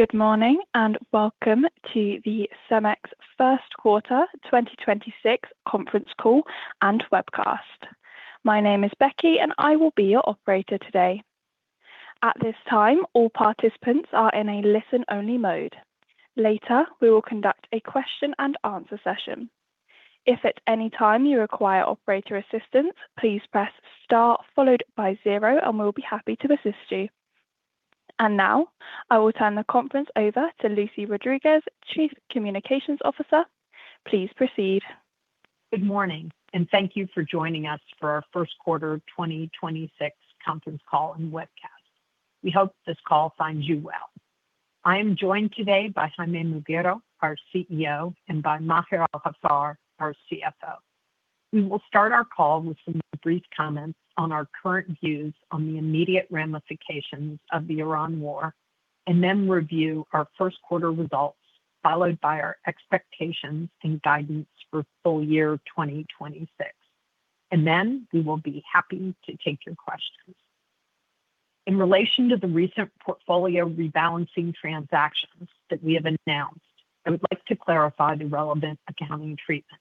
Good morning, and welcome to the CEMEX first quarter 2026 conference call and webcast. My name is Becky, and I will be your operator today. At this time, all participants are in a listen-only mode. Later, we will conduct a question and answer session. If at any time you require operator assistance, please press star followed by zero, and we'll be happy to assist you. Now, I will turn the conference over to Lucy Rodriguez, Chief Communications Officer. Please proceed. Good morning, and thank you for joining us for our first quarter 2026 conference call and webcast. We hope this call finds you well. I am joined today by Jaime Muguiro, our CEO, and by Maher Al-Haffar, our CFO. We will start our call with some brief comments on our current views on the immediate ramifications of the Iran war, and then review our first quarter results, followed by our expectations and guidance for full year 2026. We will be happy to take your questions. In relation to the recent portfolio rebalancing transactions that we have announced, I would like to clarify the relevant accounting treatment.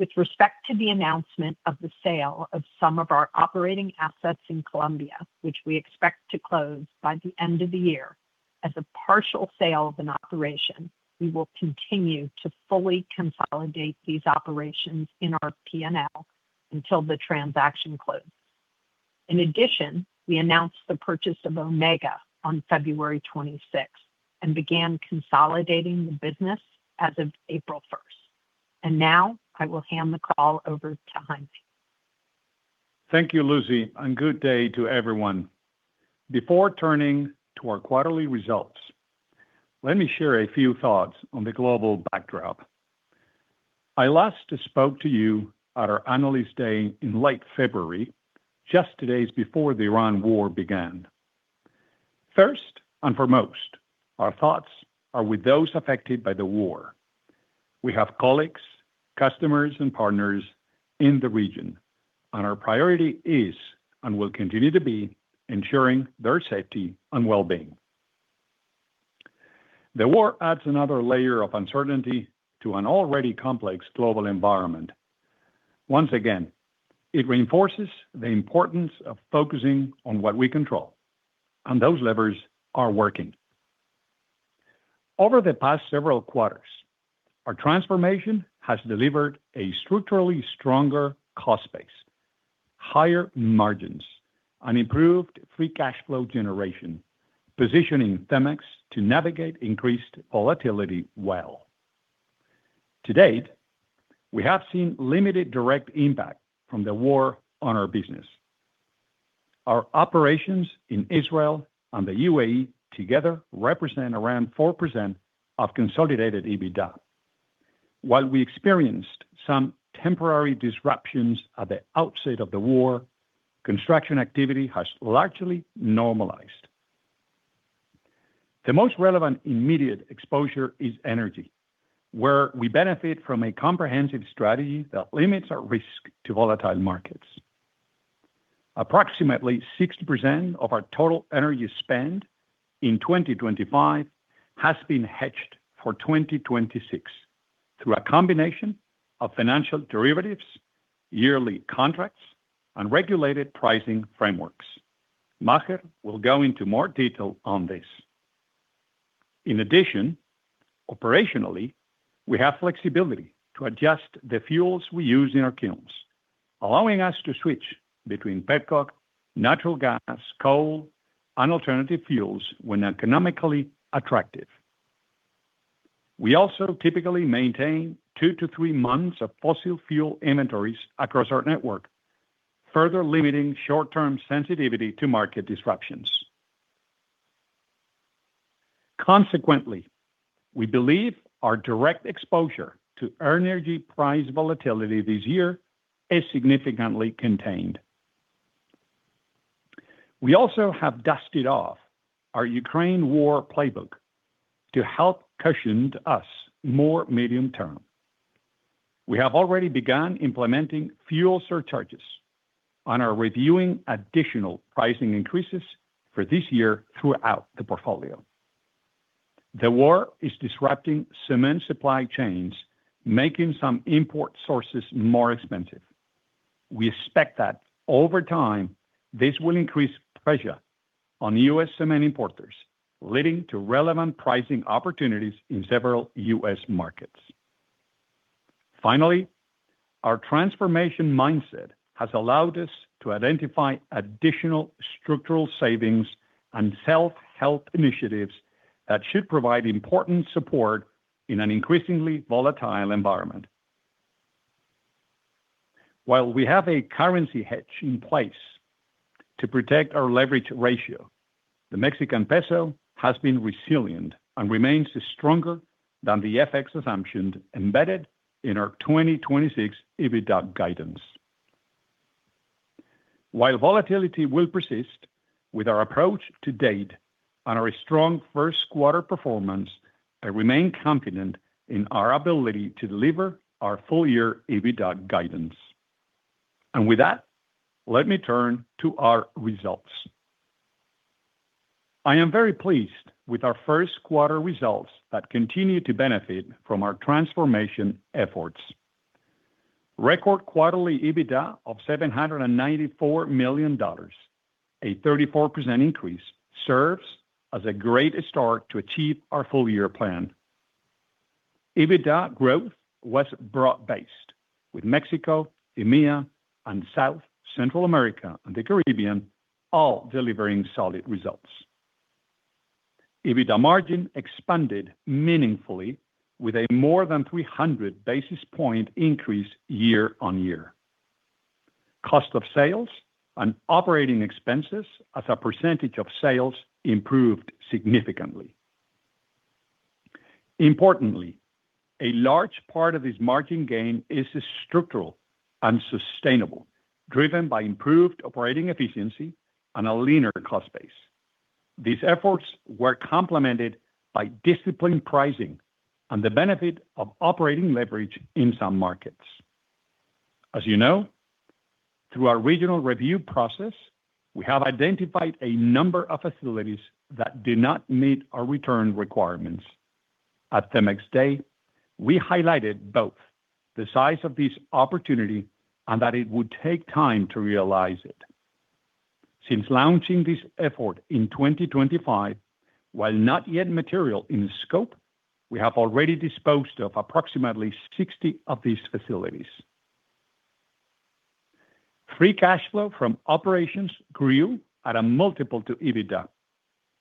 With respect to the announcement of the sale of some of our operating assets in Colombia, which we expect to close by the end of the year, as a partial sale of an operation, we will continue to fully consolidate these operations in our P&L until the transaction close. In addition, we announced the purchase of Omega on February 26th, and began consolidating the business as of April 1st. Now I will hand the call over to Jaime. Thank you, Lucy, and good day to everyone. Before turning to our quarterly results, let me share a few thoughts on the global backdrop. I last spoke to you at our Analyst Day in late February, just days before the Iran war began. First and foremost, our thoughts are with those affected by the war. We have colleagues, customers, and partners in the region, and our priority is, and will continue to be, ensuring their safety and well-being. The war adds another layer of uncertainty to an already complex global environment. Once again, it reinforces the importance of focusing on what we control, and those levers are working. Over the past several quarters, our transformation has delivered a structurally stronger cost base, higher margins, and improved free cash flow generation, positioning CEMEX to navigate increased volatility well. To date, we have seen limited direct impact from the war on our business. Our operations in Israel and the UAE together represent around 4% of consolidated EBITDA. While we experienced some temporary disruptions at the outset of the war, construction activity has largely normalized. The most relevant immediate exposure is energy, where we benefit from a comprehensive strategy that limits our risk to volatile markets. Approximately 60% of our total energy spend in 2025 has been hedged for 2026 through a combination of financial derivatives, yearly contracts, and regulated pricing frameworks. Maher will go into more detail on this. In addition, operationally, we have flexibility to adjust the fuels we use in our kilns, allowing us to switch between petcoke, natural gas, coal, and alternative fuels when economically attractive. We also typically maintain two to three months of fossil fuel inventories across our network, further limiting short-term sensitivity to market disruptions. Consequently, we believe our direct exposure to energy price volatility this year is significantly contained. We also have dusted off our Ukraine war playbook to help cushion us more medium term. We have already begun implementing fuel surcharges on our ready-mix, reviewing additional pricing increases for this year throughout the portfolio. The war is disrupting cement supply chains, making some import sources more expensive. We expect that over time, this will increase pressure on U.S. cement importers, leading to relevant pricing opportunities in several U.S. markets. Finally, our transformation mindset has allowed us to identify additional structural savings and self-help initiatives that should provide important support in an increasingly volatile environment. While we have a currency hedge in place to protect our leverage ratio, the Mexican peso has been resilient and remains stronger than the FX assumption embedded in our 2026 EBITDA guidance. While volatility will persist, with our approach to date and our strong first quarter performance, I remain confident in our ability to deliver our full year EBITDA guidance. With that, let me turn to our results. I am very pleased with our first quarter results that continue to benefit from our transformation efforts. Record quarterly EBITDA of $794 million, a 34% increase, serves as a great start to achieve our full year plan. EBITDA growth was broad-based, with Mexico, EMEA, and South Central America, and the Caribbean all delivering solid results. EBITDA margin expanded meaningfully with a more than 300 basis point increase year-over-year. Cost of sales and operating expenses as a percentage of sales improved significantly. Importantly, a large part of this margin gain is structural and sustainable, driven by improved operating efficiency and a leaner cost base. These efforts were complemented by disciplined pricing and the benefit of operating leverage in some markets. As you know, through our regional review process, we have identified a number of facilities that do not meet our return requirements. At CEMEX Day, we highlighted both the size of this opportunity and that it would take time to realize it. Since launching this effort in 2025, while not yet material in scope, we have already disposed of approximately 60 of these facilities. Free cash flow from operations grew at a multiple to EBITDA,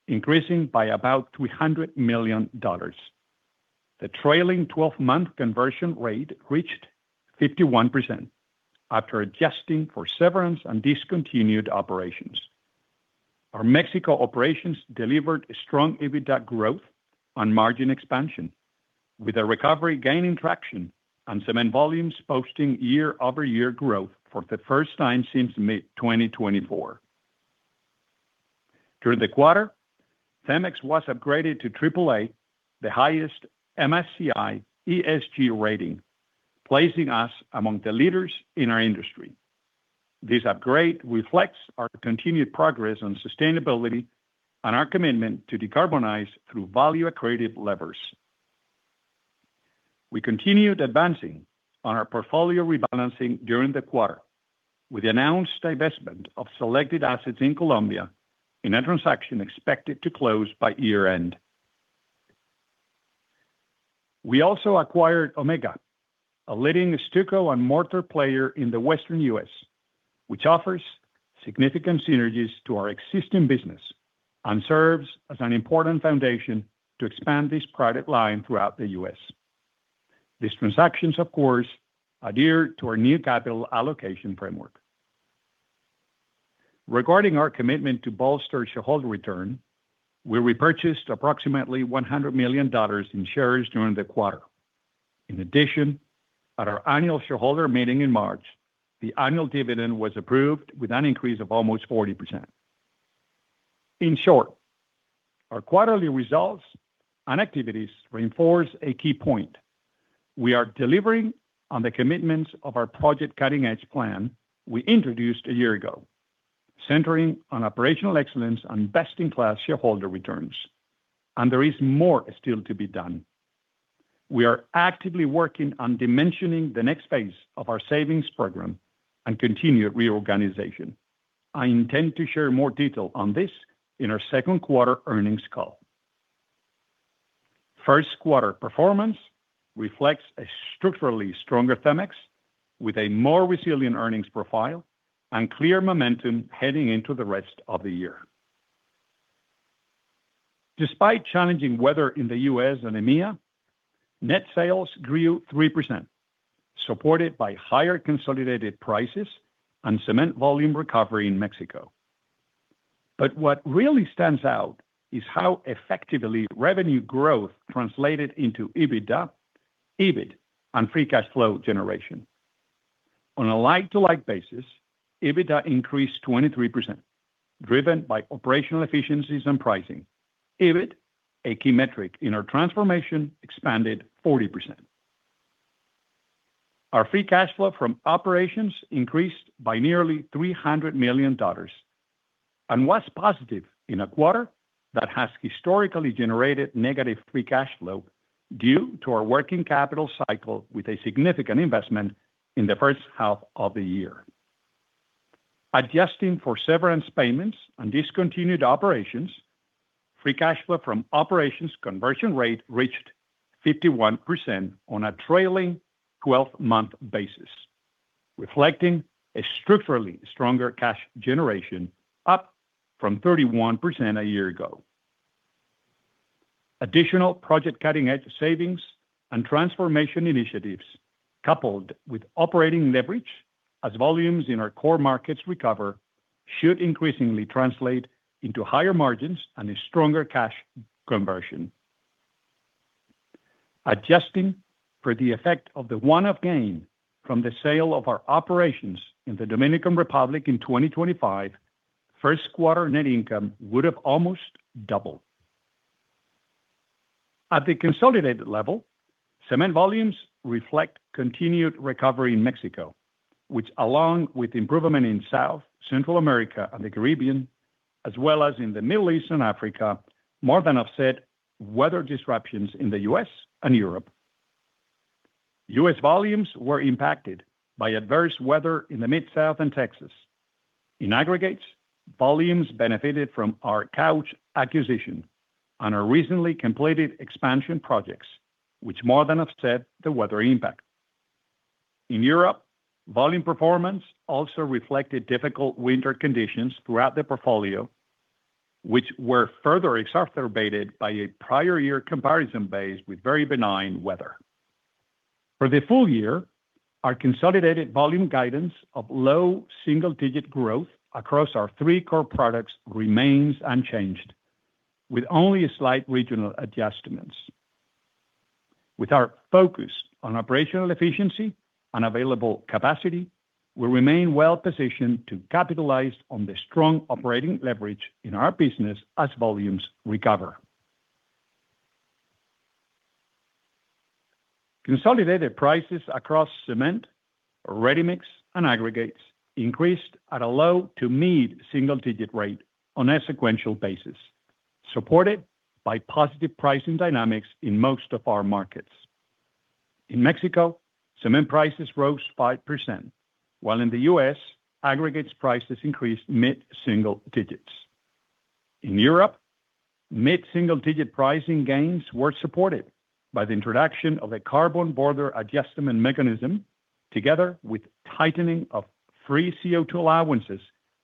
increasing by about $300 million. The trailing 12-month conversion rate reached 51% after adjusting for severance and discontinued operations. Our Mexico operations delivered strong EBITDA growth on margin expansion, with a recovery gaining traction on cement volumes posting year-over-year growth for the first time since mid-2024. During the quarter, CEMEX was upgraded to AAA, the highest MSCI ESG rating, placing us among the leaders in our industry. This upgrade reflects our continued progress on sustainability and our commitment to decarbonize through value-accretive levers. We continued advancing on our portfolio rebalancing during the quarter with the announced divestment of selected assets in Colombia in a transaction expected to close by year-end. We also acquired Omega, a leading stucco and mortar player in the western U.S., which offers significant synergies to our existing business and serves as an important foundation to expand this product line throughout the U.S. These transactions, of course, adhere to our new capital allocation framework. Regarding our commitment to bolster shareholder return, we repurchased approximately $100 million in shares during the quarter. In addition, at our annual shareholder meeting in March, the annual dividend was approved with an increase of almost 40%. In short, our quarterly results and activities reinforce a key point. We are delivering on the commitments of our Project Cutting Edge Plan we introduced a year ago, centering on operational excellence and best-in-class shareholder returns. There is more still to be done. We are actively working on dimensioning the next phase of our savings program and continued reorganization. I intend to share more detail on this in our second quarter earnings call. First quarter performance reflects a structurally stronger CEMEX with a more resilient earnings profile and clear momentum heading into the rest of the year. Despite challenging weather in the U.S. and EMEA, net sales grew 3%, supported by higher consolidated prices and cement volume recovery in Mexico. What really stands out is how effectively revenue growth translated into EBITDA, EBIT, and free cash flow generation. On a like-for-like basis, EBITDA increased 23%, driven by operational efficiencies and pricing. EBIT, a key metric in our transformation, expanded 40%. Our free cash flow from operations increased by nearly $300 million and was positive in a quarter that has historically generated negative free cash flow due to our working capital cycle with a significant investment in the first half of the year. Adjusting for severance payments and discontinued operations, free cash flow from operations conversion rate reached 51% on a trailing 12-month basis, reflecting a structurally stronger cash generation, up from 31% a year ago. Additional Project Cutting Edge savings and transformation initiatives, coupled with operating leverage as volumes in our core markets recover, should increasingly translate into higher margins and a stronger cash conversion. Adjusting for the effect of the one-off gain from the sale of our operations in the Dominican Republic in 2025, first quarter net income would have almost doubled. At the consolidated level, cement volumes reflect continued recovery in Mexico, which, along with improvement in South, Central America, and the Caribbean, as well as in the Middle East and Africa, more than offset weather disruptions in the U.S. and Europe. U.S. volumes were impacted by adverse weather in the Mid-South and Texas. In aggregates, volumes benefited from our Couch acquisition on our recently completed expansion projects, which more than offset the weather impact. In Europe, volume performance also reflected difficult winter conditions throughout the portfolio, which were further exacerbated by a prior year comparison base with very benign weather. For the full year, our consolidated volume guidance of low double-digit growth across our three core products remains unchanged, with only slight regional adjustments. With our focus on operational efficiency and available capacity, we remain well-positioned to capitalize on the strong operating leverage in our business as volumes recover. Consolidated prices across cement, ready-mix, and aggregates increased at a low to mid-single-digit rate on a sequential basis, supported by positive pricing dynamics in most of our markets. In Mexico, cement prices rose 5%, while in the U.S., aggregates prices increased mid-single digits. In Europe, mid-single-digit pricing gains were supported by the introduction of a Carbon Border Adjustment Mechanism, together with tightening of free CO2 allowances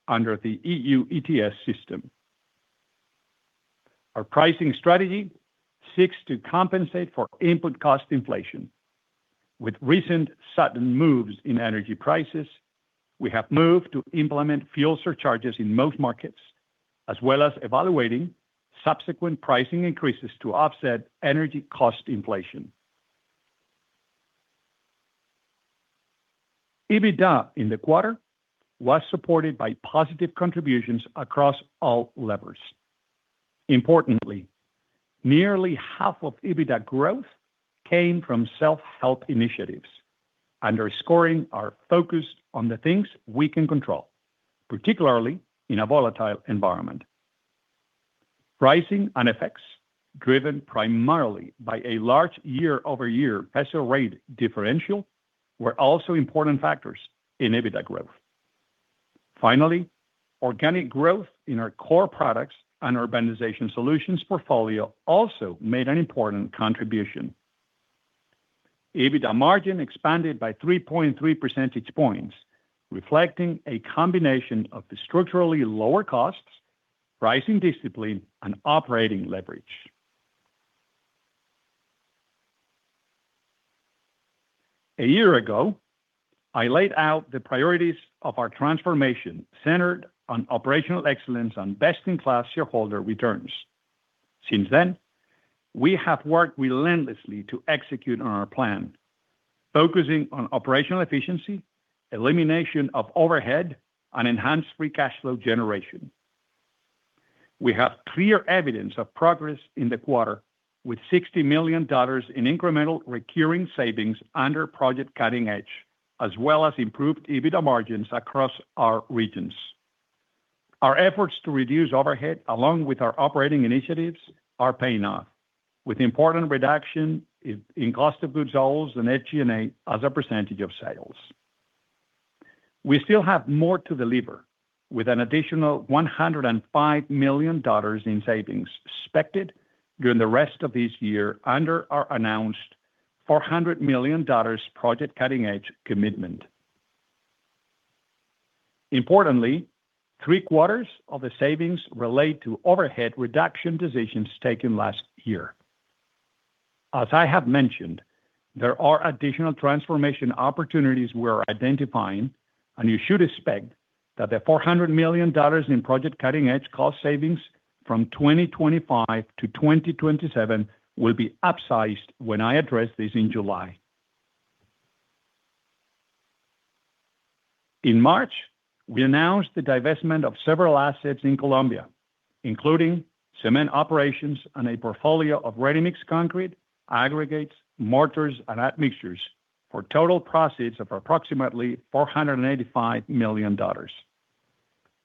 under the EU ETS system. Our pricing strategy seeks to compensate for input cost inflation. With recent sudden moves in energy prices, we have moved to implement fuel surcharges in most markets, as well as evaluating subsequent pricing increases to offset energy cost inflation. EBITDA in the quarter was supported by positive contributions across all levers. Importantly, nearly half of EBITDA growth came from self-help initiatives, underscoring our focus on the things we can control, particularly in a volatile environment. Pricing and FX, driven primarily by a large year-over-year peso rate differential, were also important factors in EBITDA growth. Finally, organic growth in our core products and urbanization solutions portfolio also made an important contribution. EBITDA margin expanded by 3.3 percentage points, reflecting a combination of structurally lower costs, pricing discipline, and operating leverage. A year ago, I laid out the priorities of our transformation centered on operational excellence and best-in-class shareholder returns. Since then, we have worked relentlessly to execute on our plan, focusing on operational efficiency, elimination of overhead, and enhanced free cash flow generation. We have clear evidence of progress in the quarter, with $60 million in incremental recurring savings under Project Cutting Edge, as well as improved EBITDA margins across our regions. Our efforts to reduce overhead, along with our operating initiatives, are paying off, with important reduction in cost of goods sold and SG&A as a percentage of sales. We still have more to deliver, with an additional $105 million in savings expected during the rest of this year under our announced $400 million Project Cutting Edge commitment. Importantly, three-quarters of the savings relate to overhead reduction decisions taken last year. As I have mentioned, there are additional transformation opportunities we're identifying, and you should expect that the $400 million in Project Cutting Edge cost savings from 2025-2027 will be upsized when I address this in July. In March, we announced the divestment of several assets in Colombia, including cement operations and a portfolio of ready-mix concrete, aggregates, mortars, and admixtures for total proceeds of approximately $485 million.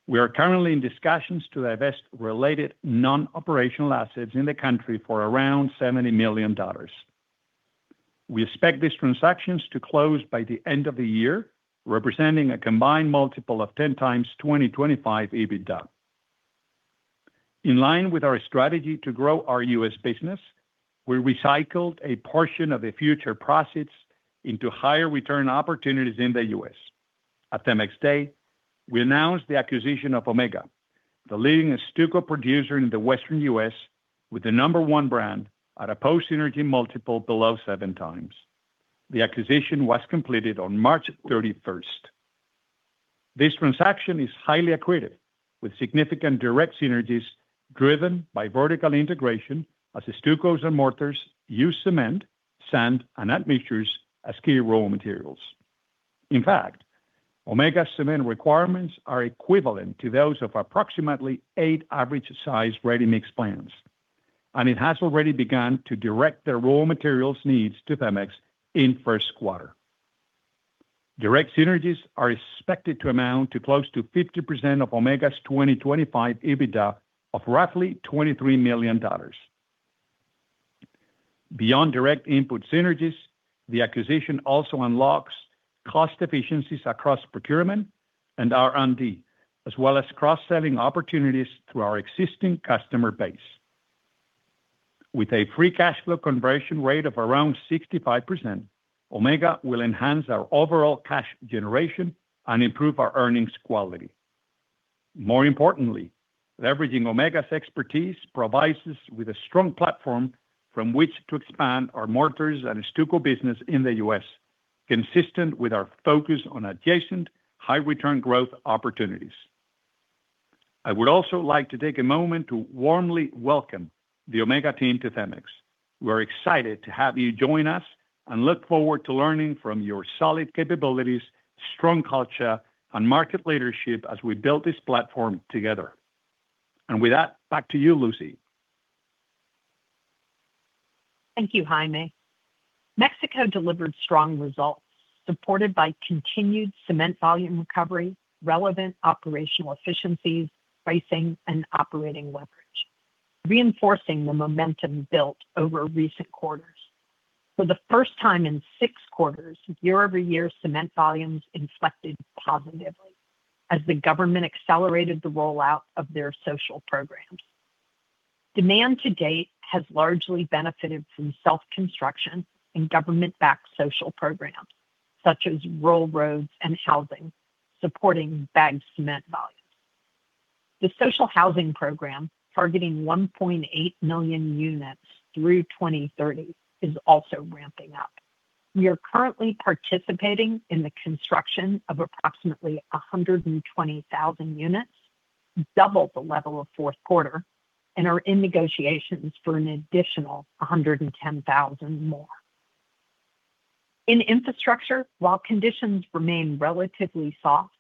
We are currently in discussions to divest related non-operational assets in the country for around $70 million. We expect these transactions to close by the end of the year, representing a combined multiple of 10x 2025 EBITDA. In line with our strategy to grow our U.S. business, we recycled a portion of the future proceeds into higher return opportunities in the U.S. At MX Day, we announced the acquisition of Omega, the leading stucco producer in the western U.S. with the number one brand at a post-synergy multiple below 7x. The acquisition was completed on March 31st. This transaction is highly accretive, with significant direct synergies driven by vertical integration, as the stuccos and mortars use cement, sand, and admixtures as key raw materials. In fact, Omega's cement requirements are equivalent to those of approximately eight average size ready-mix plants, and it has already begun to direct their raw materials needs to CEMEX in first quarter. Direct synergies are expected to amount to close to 50% of Omega's 2025 EBITDA of roughly $23 million. Beyond direct input synergies, the acquisition also unlocks cost efficiencies across procurement and R&D, as well as cross-selling opportunities through our existing customer base. With a free cash flow conversion rate of around 65%, Omega will enhance our overall cash generation and improve our earnings quality. More importantly, leveraging Omega's expertise provides us with a strong platform from which to expand our mortars and stucco business in the U.S., consistent with our focus on adjacent high return growth opportunities. I would also like to take a moment to warmly welcome the Omega team to CEMEX. We're excited to have you join us and look forward to learning from your solid capabilities, strong culture, and market leadership as we build this platform together. With that, back to you, Lucy. Thank you, Jaime. Mexico delivered strong results supported by continued cement volume recovery, relevant operational efficiencies, pricing, and operating leverage, reinforcing the momentum built over recent quarters. For the first time in six quarters, year-over-year cement volumes inflected positively as the government accelerated the rollout of their social programs. Demand to date has largely benefited from self-construction and government-backed social programs such as railroads and housing, supporting bagged cement volumes. The social housing program, targeting 1.8 million units through 2030, is also ramping up. We are currently participating in the construction of approximately 120,000 units, double the level of fourth quarter, and are in negotiations for an additional 110,000 more. In infrastructure, while conditions remain relatively soft,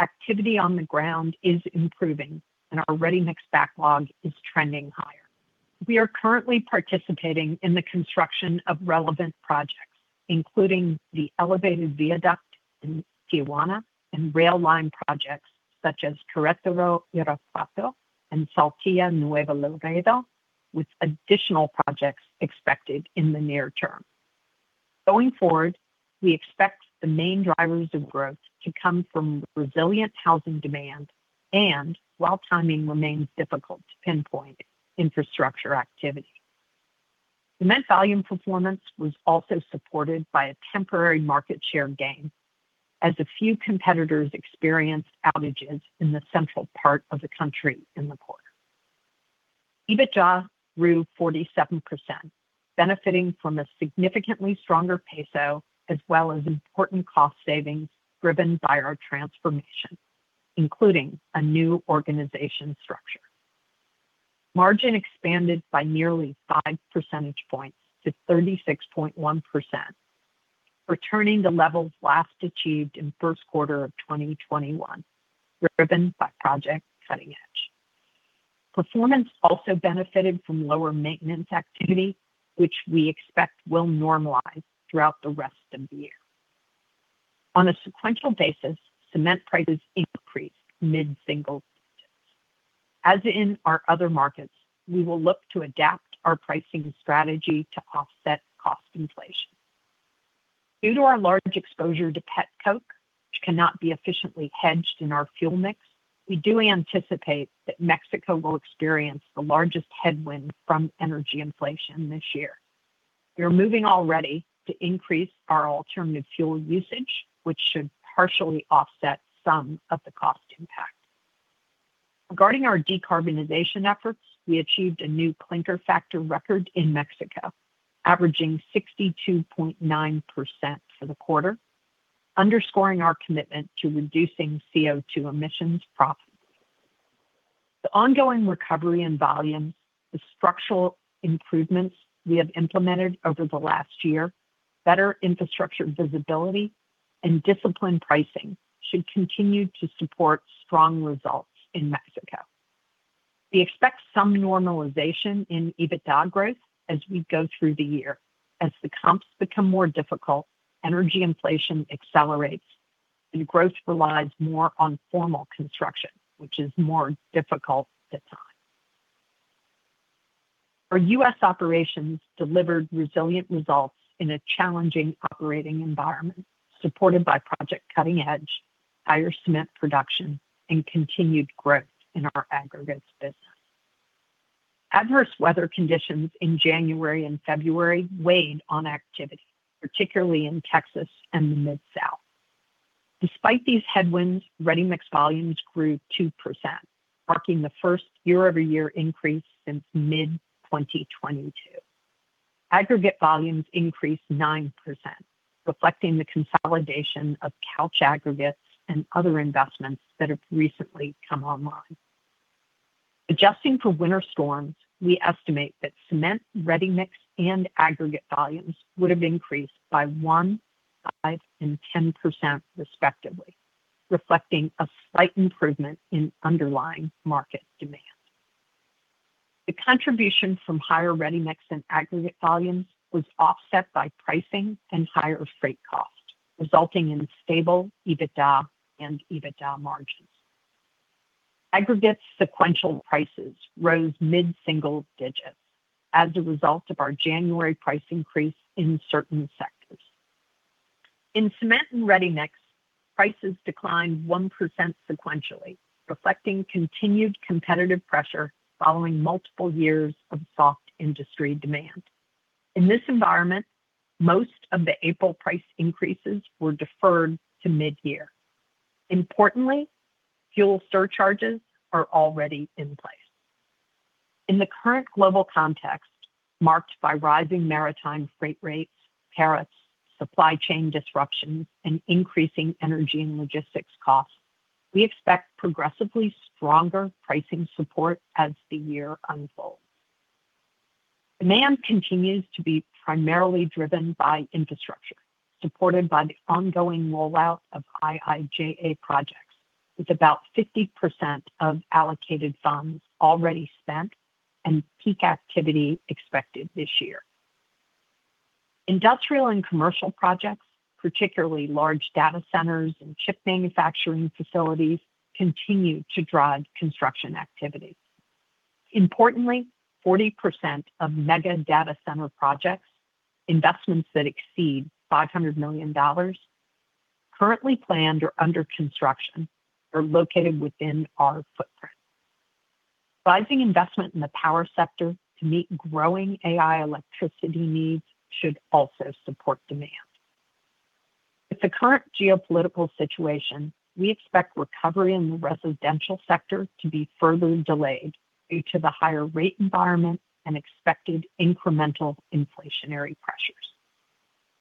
activity on the ground is improving and our ready-mix backlog is trending higher. We are currently participating in the construction of relevant projects, including the elevated viaduct in Tijuana and rail line projects such as Querétaro, Irapuato, and Saltillo Nueva Lourdes, with additional projects expected in the near term. Going forward, we expect the main drivers of growth to come from resilient housing demand and, while timing remains difficult to pinpoint, infrastructure activity. Cement volume performance was also supported by a temporary market share gain as a few competitors experienced outages in the central part of the country in the quarter. EBITDA grew 47%, benefiting from a significantly stronger peso as well as important cost savings driven by our transformation, including a new organizational structure. Margin expanded by nearly five percentage points to 36.1%, returning to levels last achieved in first quarter of 2021, driven by Project Cutting Edge. Performance also benefited from lower maintenance activity, which we expect will normalize throughout the rest of the year. On a sequential basis, cement prices increased mid-single digits. As in our other markets, we will look to adapt our pricing strategy to offset cost inflation. Due to our large exposure to petcoke, which cannot be efficiently hedged in our fuel mix, we do anticipate that Mexico will experience the largest headwind from energy inflation this year. We are moving already to increase our alternative fuel usage, which should partially offset some of the cost impact. Regarding our decarbonization efforts, we achieved a new clinker factor record in Mexico, averaging 62.9% for the quarter, underscoring our commitment to reducing CO2 emissions properly. The ongoing recovery in volumes, the structural improvements we have implemented over the last year, better infrastructure visibility, and disciplined pricing should continue to support strong results in Mexico. We expect some normalization in EBITDA growth as we go through the year as the comps become more difficult, energy inflation accelerates, and growth relies more on formal construction, which is more difficult to time. Our U.S. operations delivered resilient results in a challenging operating environment, supported by Project Cutting Edge, higher cement production, and continued growth in our aggregates business. Adverse weather conditions in January and February weighed on activity, particularly in Texas and the Mid-South. Despite these headwinds, ready-mix volumes grew 2%, marking the first year-over-year increase since mid-2022. Aggregate volumes increased 9%, reflecting the consolidation of Couch Aggregates and other investments that have recently come online. Adjusting for winter storms, we estimate that cement, ready-mix, and aggregate volumes would have increased by 1%, 5%, and 10% respectively, reflecting a slight improvement in underlying market demand. The contribution from higher ready-mix and aggregates volumes was offset by pricing and higher freight costs, resulting in stable EBITDA and EBITDA margins. Aggregates sequential prices rose mid-single digits as a result of our January price increase in certain sectors. In cement and ready-mix, prices declined 1% sequentially, reflecting continued competitive pressure following multiple years of soft industry demand. In this environment, most of the April price increases were deferred to mid-year. Importantly, fuel surcharges are already in place. In the current global context, marked by rising maritime freight rates, tariffs, supply chain disruptions, and increasing energy and logistics costs, we expect progressively stronger pricing support as the year unfolds. Demand continues to be primarily driven by infrastructure, supported by the ongoing rollout of IIJA projects, with about 50% of allocated funds already spent and peak activity expected this year. Industrial and commercial projects, particularly large data centers and chip manufacturing facilities, continue to drive construction activity. Importantly, 40% of mega data center projects, investments that exceed $500 million, currently planned or under construction, are located within our footprint. Rising investment in the power sector to meet growing AI electricity needs should also support demand. With the current geopolitical situation, we expect recovery in the residential sector to be further delayed due to the higher rate environment and expected incremental inflationary pressures.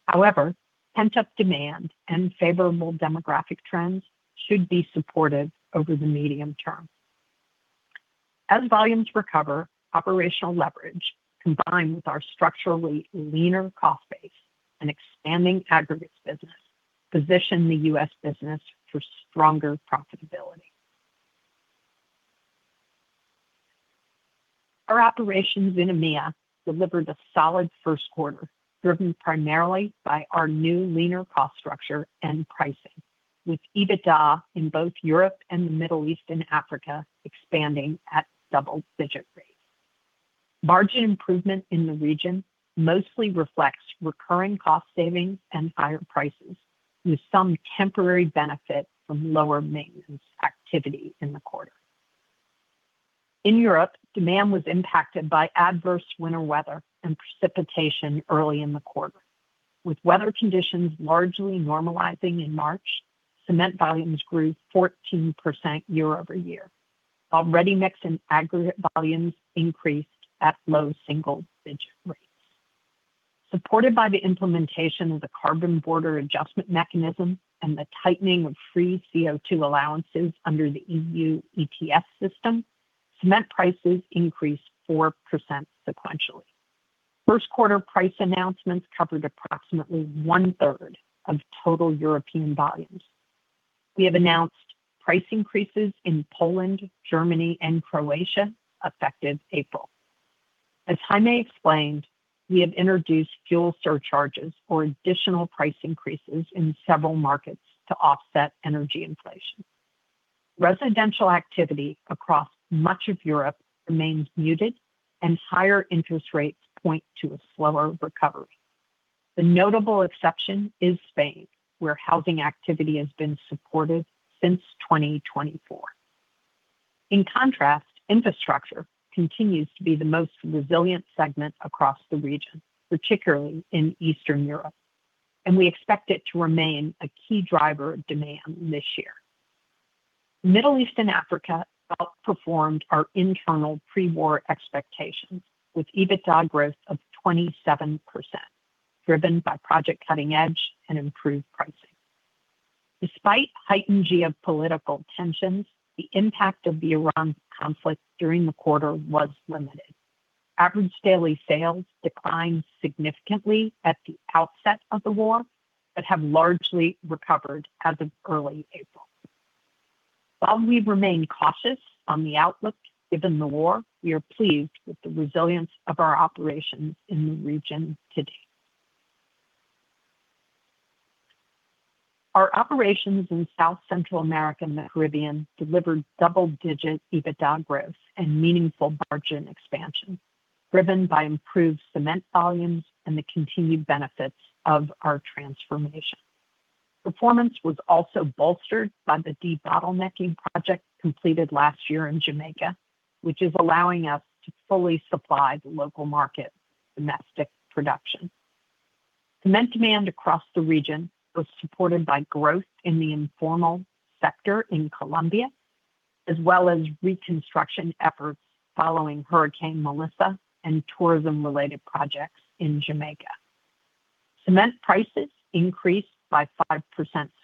However, pent-up demand and favorable demographic trends should be supported over the medium term. As volumes recover, operational leverage, combined with our structurally leaner cost base and expanding aggregates business, position the U.S. business for stronger profitability. Our operations in EMEA delivered a solid first quarter, driven primarily by our new leaner cost structure and pricing, with EBITDA in both Europe and the Middle East and Africa expanding at double-digit rates. Margin improvement in the region mostly reflects recurring cost savings and higher prices, with some temporary benefit from lower maintenance activity in the quarter. In Europe, demand was impacted by adverse winter weather and precipitation early in the quarter. With weather conditions largely normalizing in March, cement volumes grew 14% year-over-year, while ready-mix and aggregate volumes increased at low single-digit rates. Supported by the implementation of the Carbon Border Adjustment Mechanism and the tightening of free CO2 allowances under the EU ETS system, cement prices increased 4% sequentially. First quarter price announcements covered approximately one-third of total European volumes. We have announced price increases in Poland, Germany, and Croatia, effective April. As Jaime explained, we have introduced fuel surcharges or additional price increases in several markets to offset energy inflation. Residential activity across much of Europe remains muted, and higher interest rates point to a slower recovery. The notable exception is Spain, where housing activity has been supported since 2024. In contrast, infrastructure continues to be the most resilient segment across the region, particularly in Eastern Europe, and we expect it to remain a key driver of demand this year. Middle East and Africa outperformed our internal pre-war expectations, with EBITDA growth of 27%, driven by Project Cutting Edge and improved pricing. Despite heightened geopolitical tensions, the impact of the Iran conflict during the quarter was limited. Average daily sales declined significantly at the outset of the war, but have largely recovered as of early April. While we remain cautious on the outlook, given the war, we are pleased with the resilience of our operations in the region to date. Our operations in South Central America and the Caribbean delivered double-digit EBITDA growth and meaningful margin expansion, driven by improved cement volumes and the continued benefits of our transformation. Performance was also bolstered by the debottlenecking project completed last year in Jamaica, which is allowing us to fully supply the local market, domestic production. Cement demand across the region was supported by growth in the informal sector in Colombia, as well as reconstruction efforts following Hurricane Melissa and tourism-related projects in Jamaica. Cement prices increased by 5%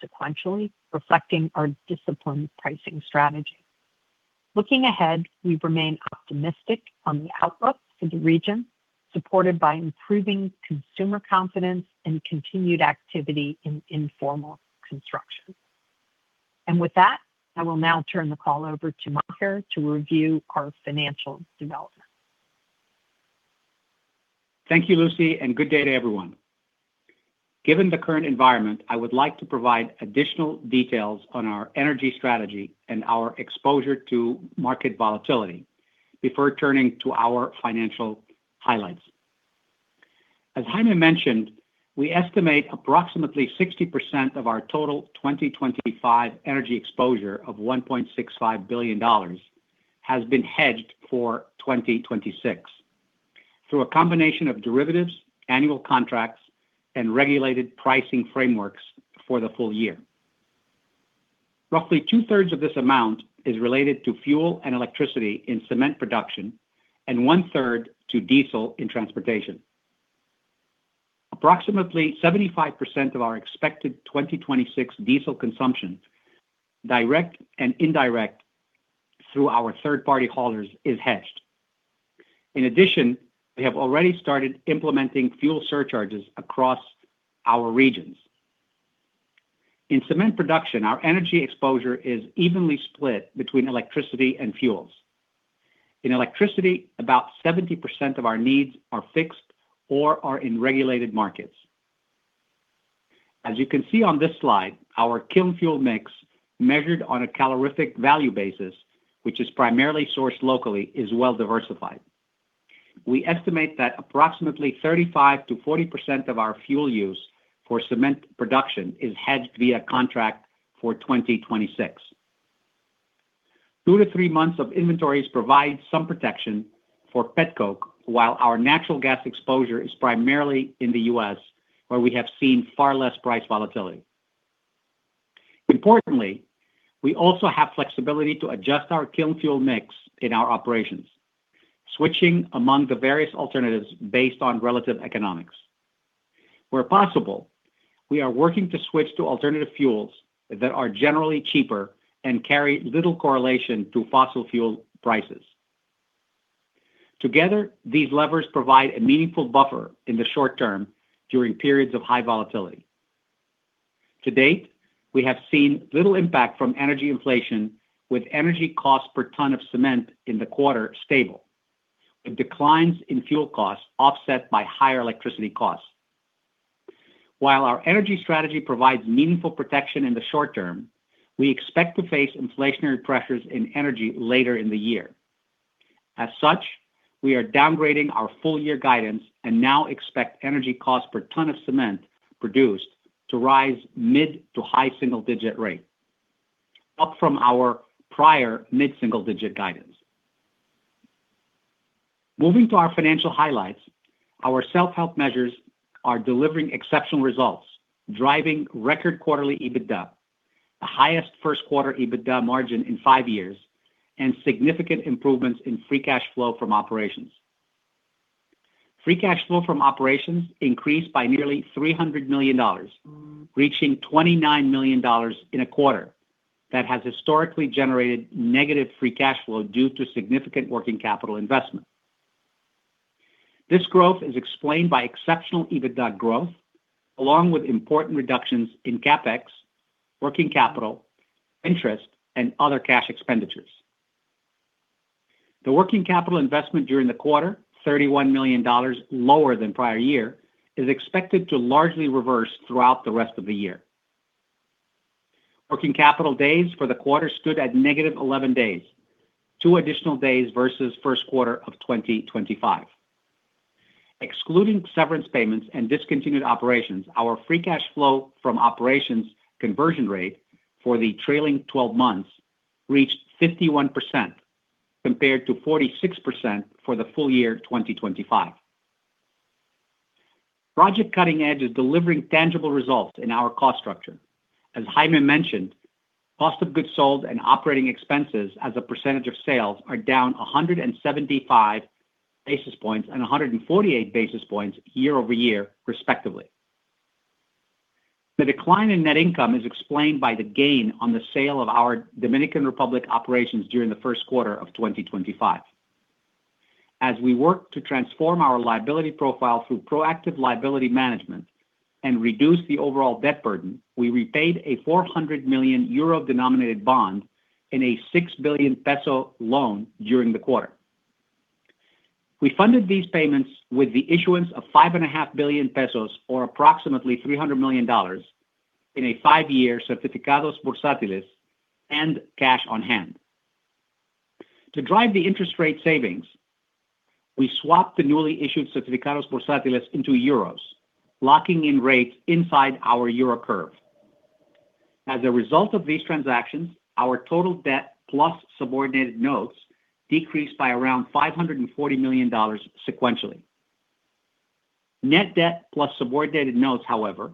sequentially, reflecting our disciplined pricing strategy. Looking ahead, we remain optimistic on the outlook for the region, supported by improving consumer confidence and continued activity in informal construction. With that, I will now turn the call over to Maher Al-Haffar to review our financial development. Thank you, Lucy, and good day to everyone. Given the current environment, I would like to provide additional details on our energy strategy and our exposure to market volatility before turning to our financial highlights. As Jaime mentioned, we estimate approximately 60% of our total 2025 energy exposure of $1.65 billion has been hedged for 2026 through a combination of derivatives, annual contracts, and regulated pricing frameworks for the full year. Roughly two-thirds of this amount is related to fuel and electricity in cement production, and one-third to diesel in transportation. Approximately 75% of our expected 2026 diesel consumption, direct and indirect, through our third-party haulers is hedged. In addition, we have already started implementing fuel surcharges across our regions. In cement production, our energy exposure is evenly split between electricity and fuels. In electricity, about 70% of our needs are fixed or are in regulated markets. As you can see on this slide, our kiln fuel mix, measured on a calorific value basis, which is primarily sourced locally, is well diversified. We estimate that approximately 35%-40% of our fuel use for cement production is hedged via contract for 2026. Two to three months of inventories provide some protection for petcoke while our natural gas exposure is primarily in the U.S., where we have seen far less price volatility. Importantly, we also have flexibility to adjust our kiln fuel mix in our operations, switching among the various alternatives based on relative economics. Where possible, we are working to switch to alternative fuels that are generally cheaper and carry little correlation to fossil fuel prices. Together, these levers provide a meaningful buffer in the short term during periods of high volatility. To date, we have seen little impact from energy inflation, with energy costs per ton of cement in the quarter stable, with declines in fuel costs offset by higher electricity costs. While our energy strategy provides meaningful protection in the short term, we expect to face inflationary pressures in energy later in the year. As such, we are downgrading our full year guidance and now expect energy costs per ton of cement produced to rise mid- to high-single-digit rate, up from our prior mid-single-digit guidance. Moving to our financial highlights, our self-help measures are delivering exceptional results, driving record quarterly EBITDA, the highest first quarter EBITDA margin in five years, and significant improvements in free cash flow from operations. Free cash flow from operations increased by nearly $300 million, reaching $29 million in a quarter that has historically generated negative free cash flow due to significant working capital investment. This growth is explained by exceptional EBITDA growth, along with important reductions in CapEx, working capital, interest, and other cash expenditures. The working capital investment during the quarter, $31 million lower than prior year, is expected to largely reverse throughout the rest of the year. Working capital days for the quarter stood at negative 11 days, two additional days versus first quarter of 2025. Excluding severance payments and discontinued operations, our free cash flow from operations conversion rate for the trailing 12 months reached 51%, compared to 46% for the full year 2025. Project Cutting Edge is delivering tangible results in our cost structure. As Jaime mentioned, cost of goods sold and operating expenses as a percentage of sales are down 175 basis points and 148 basis points year-over-year, respectively. The decline in net income is explained by the gain on the sale of our Dominican Republic operations during the first quarter of 2025. As we work to transform our liability profile through proactive liability management and reduce the overall debt burden, we repaid a 400 million euro-denominated bond and a 6 billion peso loan during the quarter. We funded these payments with the issuance of 5.5 billion pesos, or approximately $300 million, in a five-year certificados bursátiles and cash on hand. To drive the interest rate savings, we swapped the newly issued certificados bursátiles into euros, locking in rates inside our euro curve. As a result of these transactions, our total debt plus subordinated notes decreased by around $540 million sequentially. Net debt plus subordinated notes, however,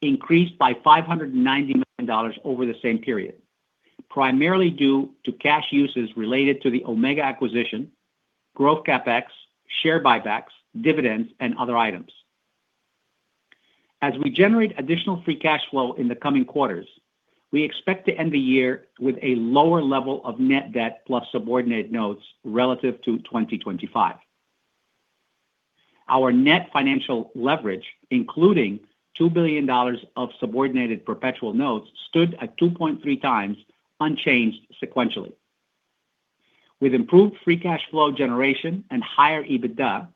increased by $590 million over the same period, primarily due to cash uses related to the Omega acquisition, growth CapEx, share buybacks, dividends, and other items. As we generate additional free cash flow in the coming quarters, we expect to end the year with a lower level of net debt plus subordinated notes relative to 2025. Our net financial leverage, including $2 billion of subordinated perpetual notes, stood at 2.3 times, unchanged sequentially. With improved free cash flow generation and higher EBITDA,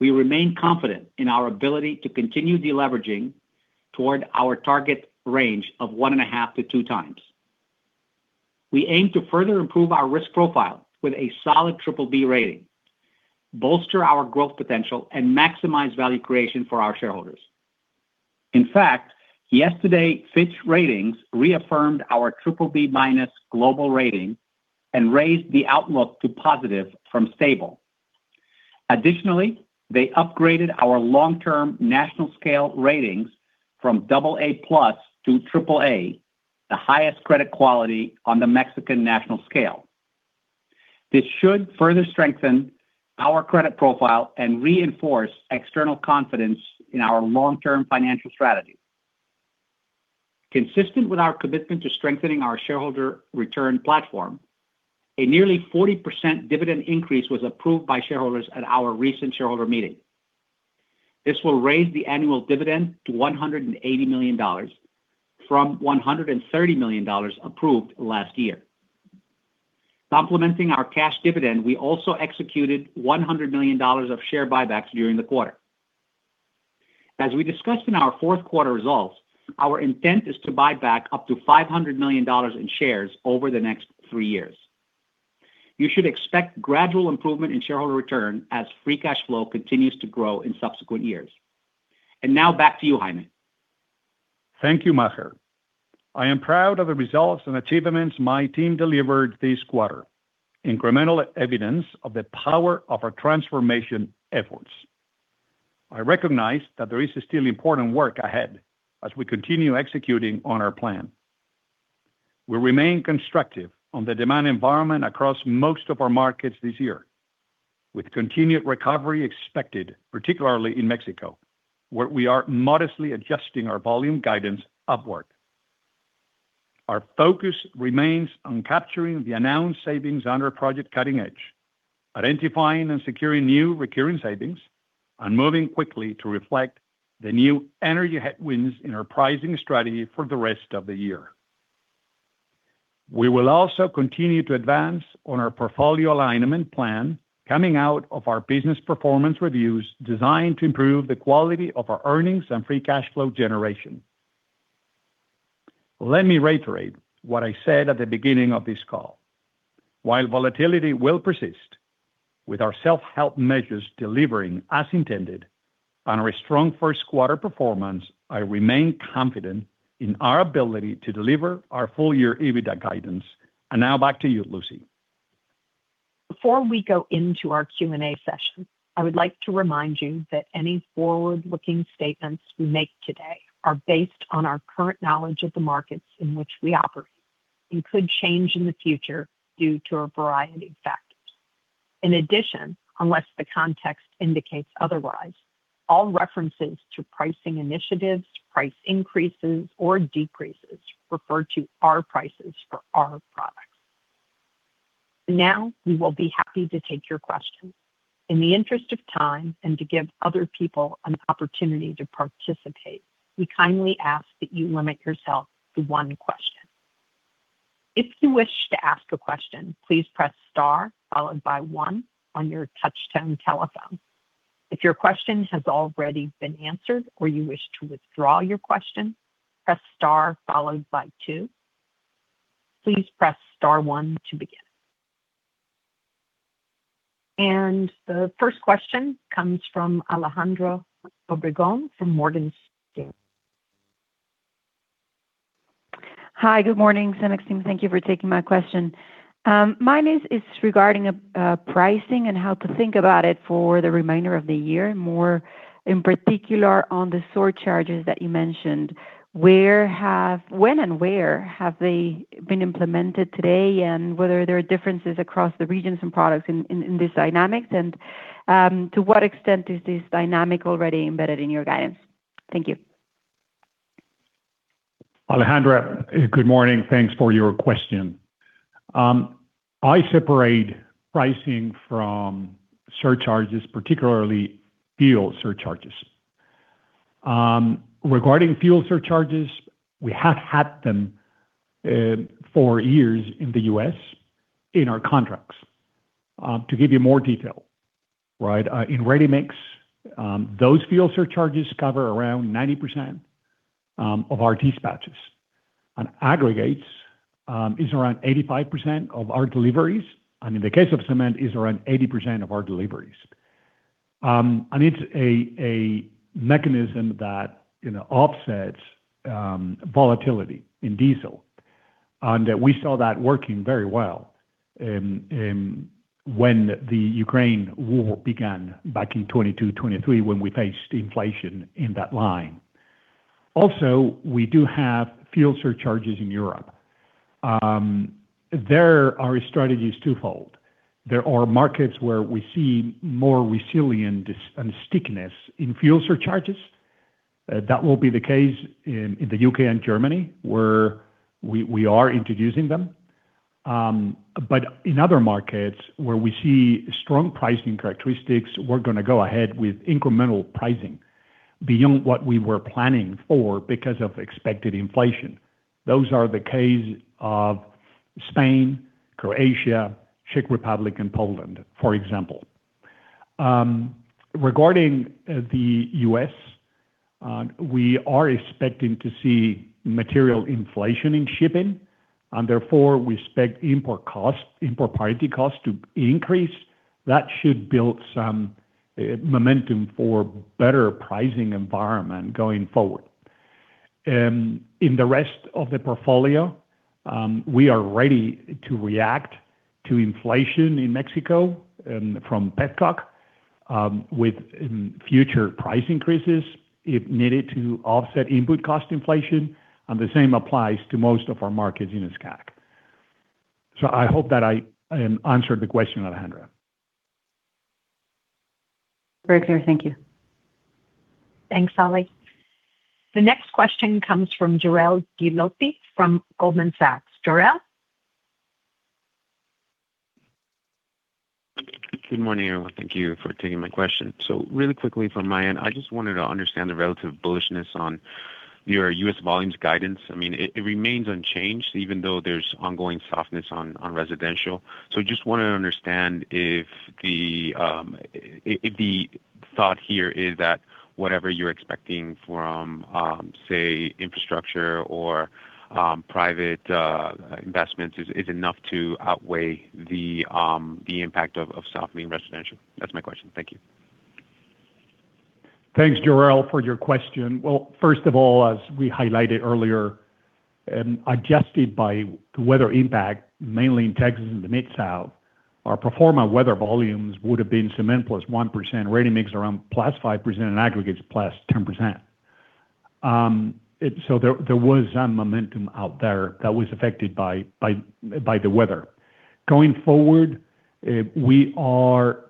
we remain confident in our ability to continue deleveraging toward our target range of 1.5-2 times. We aim to further improve our risk profile with a solid BBB rating, bolster our growth potential, and maximize value creation for our shareholders. In fact, yesterday, Fitch Ratings reaffirmed our BBB- global rating and raised the outlook to positive from stable. Additionally, they upgraded our long-term national scale ratings from AA+ to AAA, the highest credit quality on the Mexican national scale. This should further strengthen our credit profile and reinforce external confidence in our long-term financial strategy. Consistent with our commitment to strengthening our shareholder return platform, a nearly 40% dividend increase was approved by shareholders at our recent shareholder meeting. This will raise the annual dividend to $180 million from $130 million approved last year. Complementing our cash dividend, we also executed $100 million of share buybacks during the quarter. As we discussed in our fourth quarter results, our intent is to buy back up to $500 million in shares over the next three years. You should expect gradual improvement in shareholder return as free cash flow continues to grow in subsequent years. Now back to you, Jaime. Thank you, Maher. I am proud of the results and achievements my team delivered this quarter, incremental evidence of the power of our transformation efforts. I recognize that there is still important work ahead as we continue executing on our plan. We remain constructive on the demand environment across most of our markets this year, with continued recovery expected, particularly in Mexico, where we are modestly adjusting our volume guidance upward. Our focus remains on capturing the announced savings under Project Cutting Edge, identifying and securing new recurring savings, and moving quickly to reflect the new energy headwinds in our pricing strategy for the rest of the year. We will also continue to advance on our portfolio alignment plan coming out of our business performance reviews designed to improve the quality of our earnings and free cash flow generation. Let me reiterate what I said at the beginning of this call. While volatility will persist, with our self-help measures delivering as intended and our strong first quarter performance, I remain confident in our ability to deliver our full year EBITDA guidance. Now back to you, Lucy. Before we go into our Q&A session, I would like to remind you that any forward-looking statements we make today are based on our current knowledge of the markets in which we operate and could change in the future due to a variety of factors. In addition, unless the context indicates otherwise, all references to pricing initiatives, price increases or decreases, refer to our prices for our products. Now, we will be happy to take your questions. In the interest of time and to give other people an opportunity to participate, we kindly ask that you limit yourself to one question. The first question comes from Alejandra Obregón from Morgan Stanley. Hi. Good morning, CEMEX team. Thank you for taking my question. Mine is regarding pricing and how to think about it for the remainder of the year, more in particular on the surcharges that you mentioned. When and where have they been implemented today, and whether there are differences across the regions and products in this dynamic, and to what extent is this dynamic already embedded in your guidance? Thank you. Alejandra, good morning. Thanks for your question. I separate pricing from surcharges, particularly fuel surcharges. Regarding fuel surcharges, we have had them for years in the U.S. in our contracts. To give you more detail. In ready-mix, those fuel surcharges cover around 90% of our dispatches. On aggregates, it's around 85% of our deliveries. In the case of cement, it's around 80% of our deliveries. It's a mechanism that offsets volatility in diesel, and we saw that working very well when the Ukraine war began back in 2022, 2023, when we faced inflation in that line. Also, we do have fuel surcharges in Europe. There our strategy is twofold. There are markets where we see more resilience and stickiness in fuel surcharges. That will be the case in the U.K. and Germany, where we are introducing them. In other markets where we see strong pricing characteristics, we're going to go ahead with incremental pricing beyond what we were planning for because of expected inflation. That is the case of Spain, Croatia, Czech Republic, and Poland, for example. Regarding the U.S., we are expecting to see material inflation in shipping and therefore we expect import parity cost to increase. That should build some momentum for better pricing environment going forward. In the rest of the portfolio, we are ready to react to inflation in Mexico from petcoke with future price increases if needed to offset input cost inflation and the same applies to most of our markets in SCAC. I hope that I answered the question, Alejandra. Very clear. Thank you. Thanks, Ali. The next question comes from Jorel Guilloty from Goldman Sachs. Jorel? Good morning, everyone. Thank you for taking my question. Really quickly from my end, I just wanted to understand the relative bullishness on your U.S. volumes guidance. It remains unchanged even though there's ongoing softness on residential. Just want to understand if the thought here is that whatever you're expecting from, say, infrastructure or private investments is enough to outweigh the impact of softening residential. That's my question. Thank you. Thanks, Jorel, for your question. Well, first of all, as we highlighted earlier, adjusted by the weather impact, mainly in Texas and the Mid-South, our pro forma weather volumes would have been cement +1%, ready-mix around +5%, and aggregates +10%. There was some momentum out there that was affected by the weather. Going forward, we are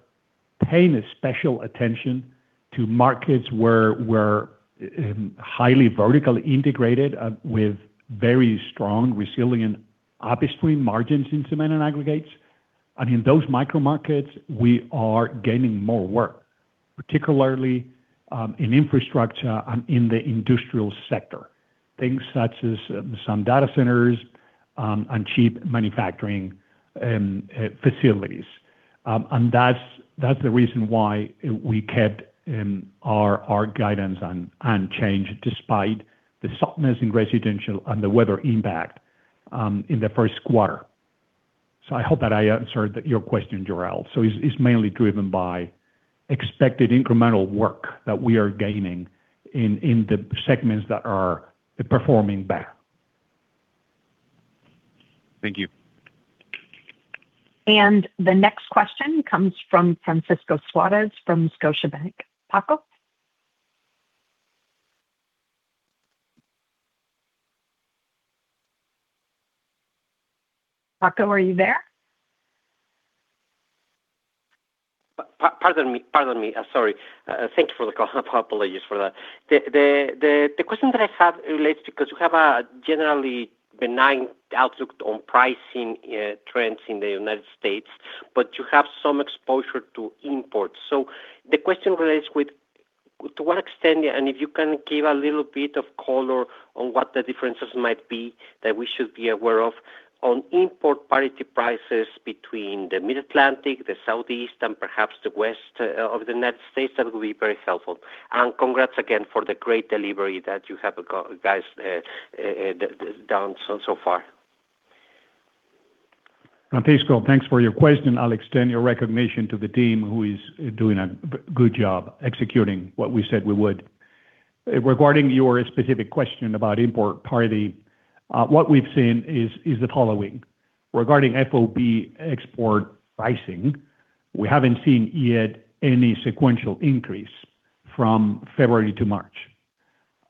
paying special attention to markets where we're highly vertically integrated with very strong resilient upstream margins in cement and aggregates. In those micro markets, we are gaining more work, particularly in infrastructure and in the industrial sector, things such as some data centers and chip manufacturing facilities. That's the reason why we kept our guidance unchanged despite the softness in residential and the weather impact in the first quarter. I hope that I answered your question, Jorel. It's mainly driven by expected incremental work that we are gaining in the segments that are performing better. Thank you. The next question comes from Francisco Suarez from Scotiabank. Paco? Paco, are you there? Pardon me. Sorry. Thank you for the call. Apologies for that. The question that I have relates to, because you have a generally benign outlook on pricing trends in the United States, but you have some exposure to imports. The question relates to what extent, and if you can give a little bit of color on what the differences might be that we should be aware of on import parity prices between the Mid-Atlantic, the Southeast, and perhaps the west of the United States, that would be very helpful. Congrats again for the great delivery that you guys have done so far. Francisco, thanks for your question. I'll extend your recognition to the team who is doing a good job executing what we said we would. Regarding your specific question about import parity, what we've seen is the following. Regarding FOB export pricing, we haven't seen yet any sequential increase from February to March.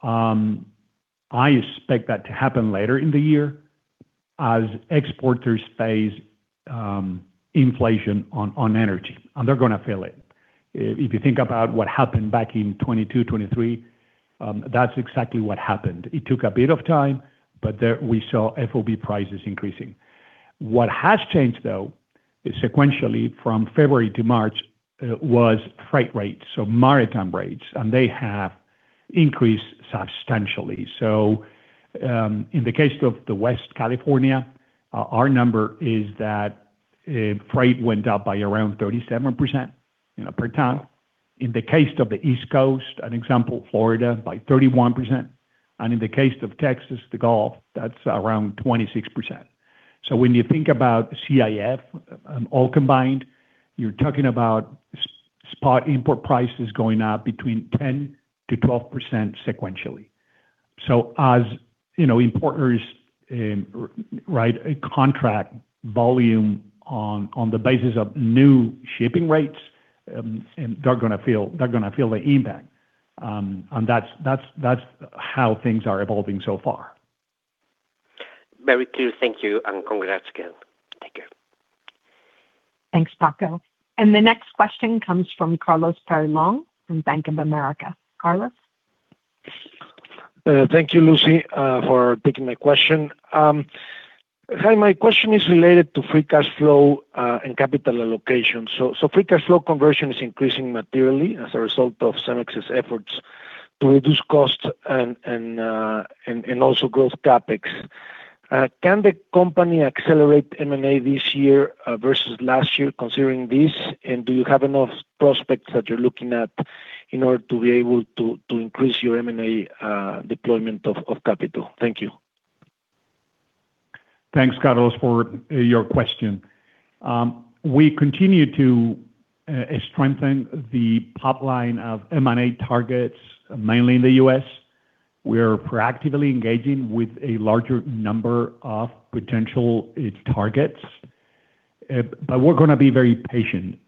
I expect that to happen later in the year as exporters face inflation on energy, and they're going to feel it. If you think about what happened back in 2022, 2023, that's exactly what happened. It took a bit of time, but we saw FOB prices increasing. What has changed though, sequentially from February to March, was freight rates, so maritime rates, and they have increased substantially. In the case of the West California, our number is that freight went up by around 37% per ton. In the case of the East Coast, an example, Florida, by 31%. In the case of Texas, the Gulf, that's around 26%. When you think about CIF all combined, you're talking about spot import prices going up between 10%-12% sequentially. As importers write a contract volume on the basis of new shipping rates and they're going to feel the impact. That's how things are evolving so far. Very clear. Thank you, and congrats again. Take care. Thanks, Paco. The next question comes from Carlos Peyrelongue from Bank of America. Carlos? Thank you, Lucy, for taking my question. Hi, my question is related to free cash flow and capital allocation. Free cash flow conversion is increasing materially as a result of CEMEX's efforts to reduce costs and also growth CapEx. Can the company accelerate M&A this year versus last year considering this? And do you have enough prospects that you're looking at in order to be able to increase your M&A deployment of capital? Thank you. Thanks, Carlos, for your question. We continue to strengthen the pipeline of M&A targets, mainly in the U.S. We're proactively engaging with a larger number of potential targets. We're going to be very patient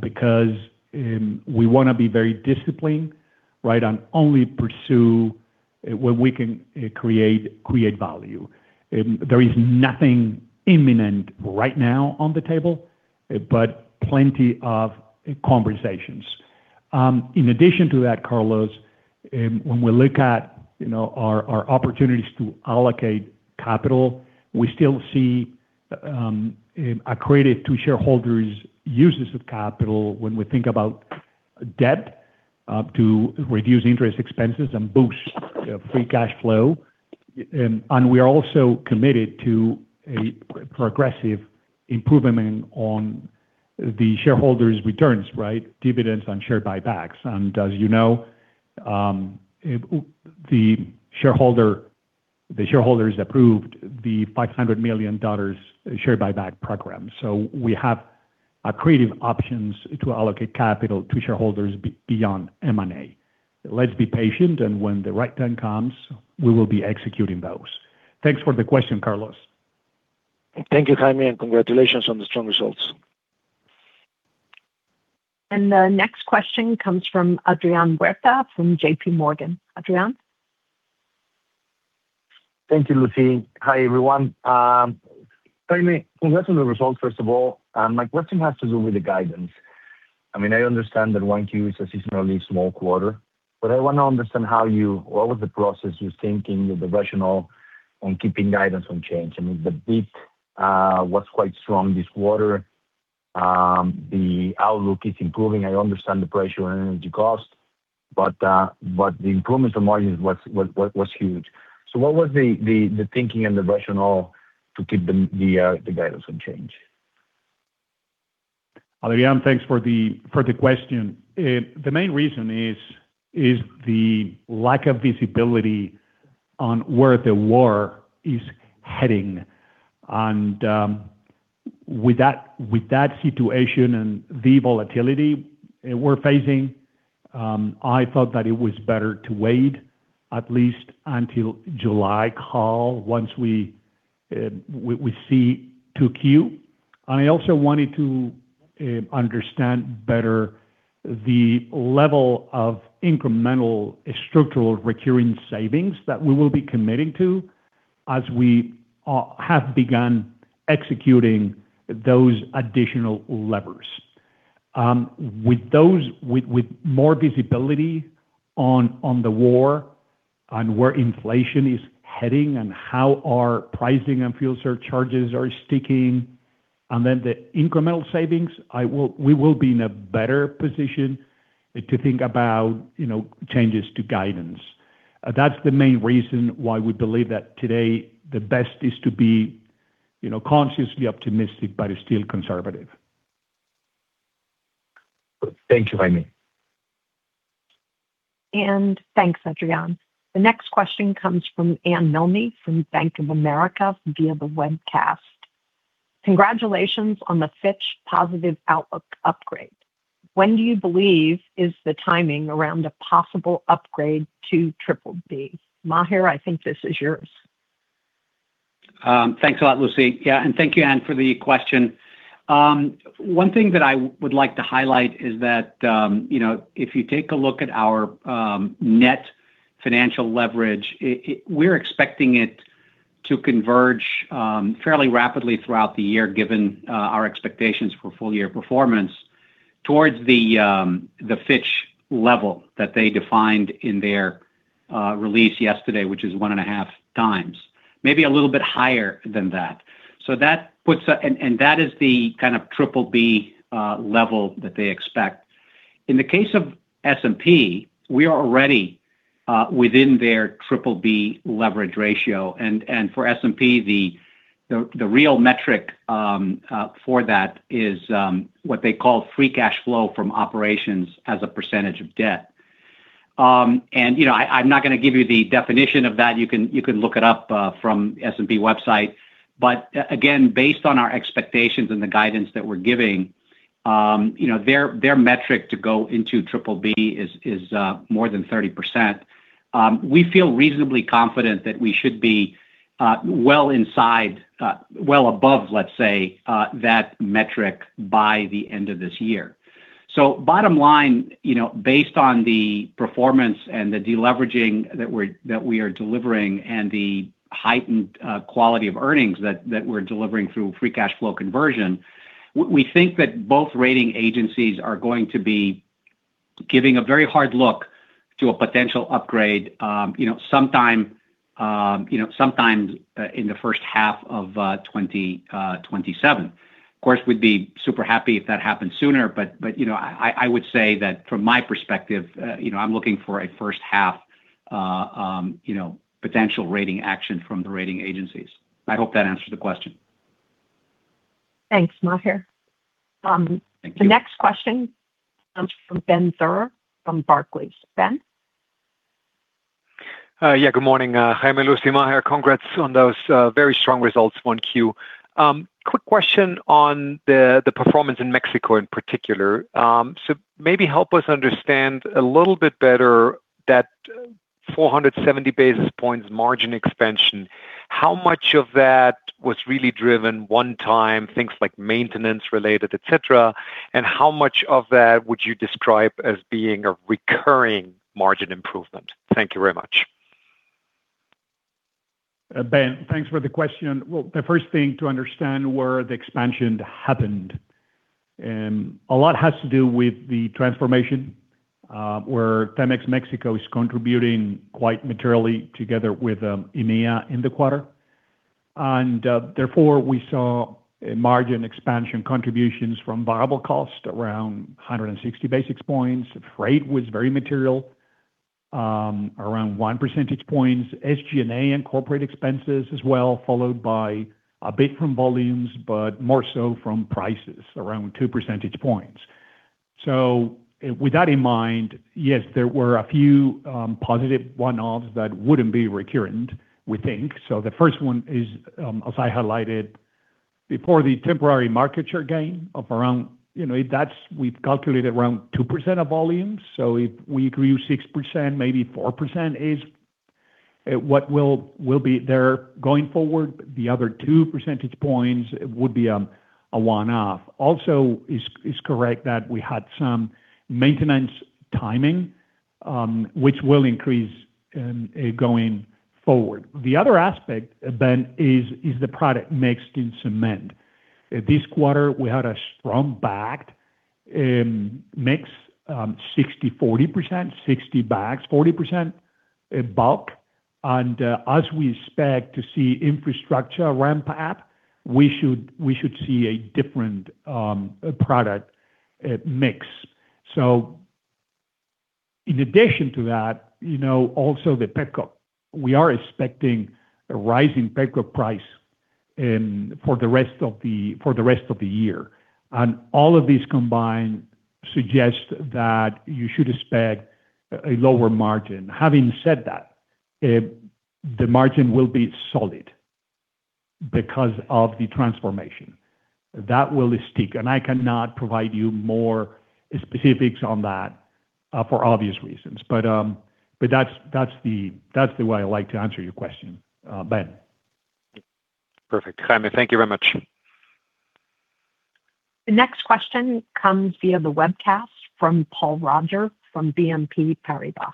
because we want to be very disciplined, right, and only pursue where we can create value. There is nothing imminent right now on the table, but plenty of conversations. In addition to that, Carlos, when we look at our opportunities to allocate capital, we still see accretive to shareholders uses of capital when we think about debt to reduce interest expenses and boost free cash flow. We are also committed to a progressive improvement on the shareholders' returns, right? Dividends and share buybacks. As you know, the shareholders approved the $500 million share buyback program. We have creative options to allocate capital to shareholders beyond M&A. Let's be patient, and when the right time comes, we will be executing those. Thanks for the question, Carlos. Thank you, Jaime, and congratulations on the strong results. The next question comes from Adrian Huerta from JPMorgan. Adrian? Thank you, Lucy. Hi, everyone. Jaime, congrats on the results, first of all. My question has to do with the guidance. I understand that 1Q is a seasonally small quarter, but I want to understand what was the process you're thinking, the rationale on keeping guidance unchanged. I mean, the beat was quite strong this quarter. The outlook is improving. I understand the pressure on energy cost, but the improvements on margin was huge. What was the thinking and the rationale to keep the guidance unchanged? Adrian, thanks for the question. The main reason is the lack of visibility on where the war is heading. With that situation and the volatility we're facing, I thought that it was better to wait at least until July call once we see 2Q. I also wanted to understand better the level of incremental structural recurring savings that we will be committing to as we have begun executing those additional levers. With more visibility on the war, on where inflation is heading, and how our pricing and fuel surcharges are sticking, and then the incremental savings, we will be in a better position to think about changes to guidance. That's the main reason why we believe that today the best is to be consciously optimistic, but still conservative. Thank you, Jaime. Thanks, Adrian. The next question comes from Anne Milne from Bank of America via the webcast. Congratulations on the Fitch positive outlook upgrade. When do you believe is the timing around a possible upgrade to BBB? Maher, I think this is yours. Thanks a lot, Lucy. Yeah. Thank you, Anne, for the question. One thing that I would like to highlight is that if you take a look at our net financial leverage, we're expecting it to converge fairly rapidly throughout the year, given our expectations for full-year performance towards the Fitch level that they defined in their release yesterday, which is 1.5 times. Maybe a little bit higher than that. That is the kind of BBB level that they expect. In the case of S&P, we are already within their BBB leverage ratio. For S&P, the real metric for that is what they call free cash flow from operations as a percentage of debt. I'm not going to give you the definition of that. You can look it up from S&P website. Again, based on our expectations and the guidance that we're giving, their metric to go into BBB is more than 30%. We feel reasonably confident that we should be well inside, well above, let's say, that metric by the end of this year. Bottom line, based on the performance and the de-leveraging that we are delivering and the heightened quality of earnings that we're delivering through free cash flow conversion, we think that both rating agencies are going to be giving a very hard look to a potential upgrade sometime in the first half of 2027. Of course, we'd be super happy if that happened sooner, but I would say that from my perspective, I'm looking for a first half potential rating action from the rating agencies. I hope that answers the question. Thanks, Maher. Thank you. The next question comes from Benjamin Theurer from Barclays. Ben? Yeah, good morning, Jaime, Lucy, Maher, congrats on those very strong results on Q. Quick question on the performance in Mexico in particular. Maybe help us understand a little bit better that 470 basis points margin expansion, how much of that was really driven one time, things like maintenance related, et cetera, and how much of that would you describe as being a recurring margin improvement? Thank you very much. Ben, thanks for the question. Well, the first thing to understand is where the expansion happened. A lot has to do with the transformation, where CEMEX Mexico is contributing quite materially together with EMEA in the quarter. Therefore, we saw a margin expansion, contributions from variable cost around 160 basis points. Freight was very material, around 1 percentage point. SG&A and corporate expenses as well, followed by a bit from volumes, but more so from prices, around 2 percentage points. With that in mind, yes, there were a few positive one-offs that wouldn't be recurrent, we think. The first one is, as I highlighted before, the temporary market share gain of around, we've calculated around 2% of volumes. If we agree with 6%, maybe 4% is what will be there going forward. The other 2 percentage points would be a one-off. It's correct that we had some maintenance timing, which will increase going forward. The other aspect, Ben, is the product mix in cement. This quarter, we had a strong bagged mix, 60/40%, 60% bags, 40% bulk. As we expect to see infrastructure ramp up, we should see a different product mix. In addition to that, also the petcoke. We are expecting a rise in petcoke price for the rest of the year. All of these combined suggest that you should expect a lower margin. Having said that, the margin will be solid because of the transformation. That will stick, and I cannot provide you more specifics on that, for obvious reasons. That's the way I like to answer your question, Ben. Perfect. Jaime, thank you very much. The next question comes via the webcast from Paul Roger from BNP Paribas.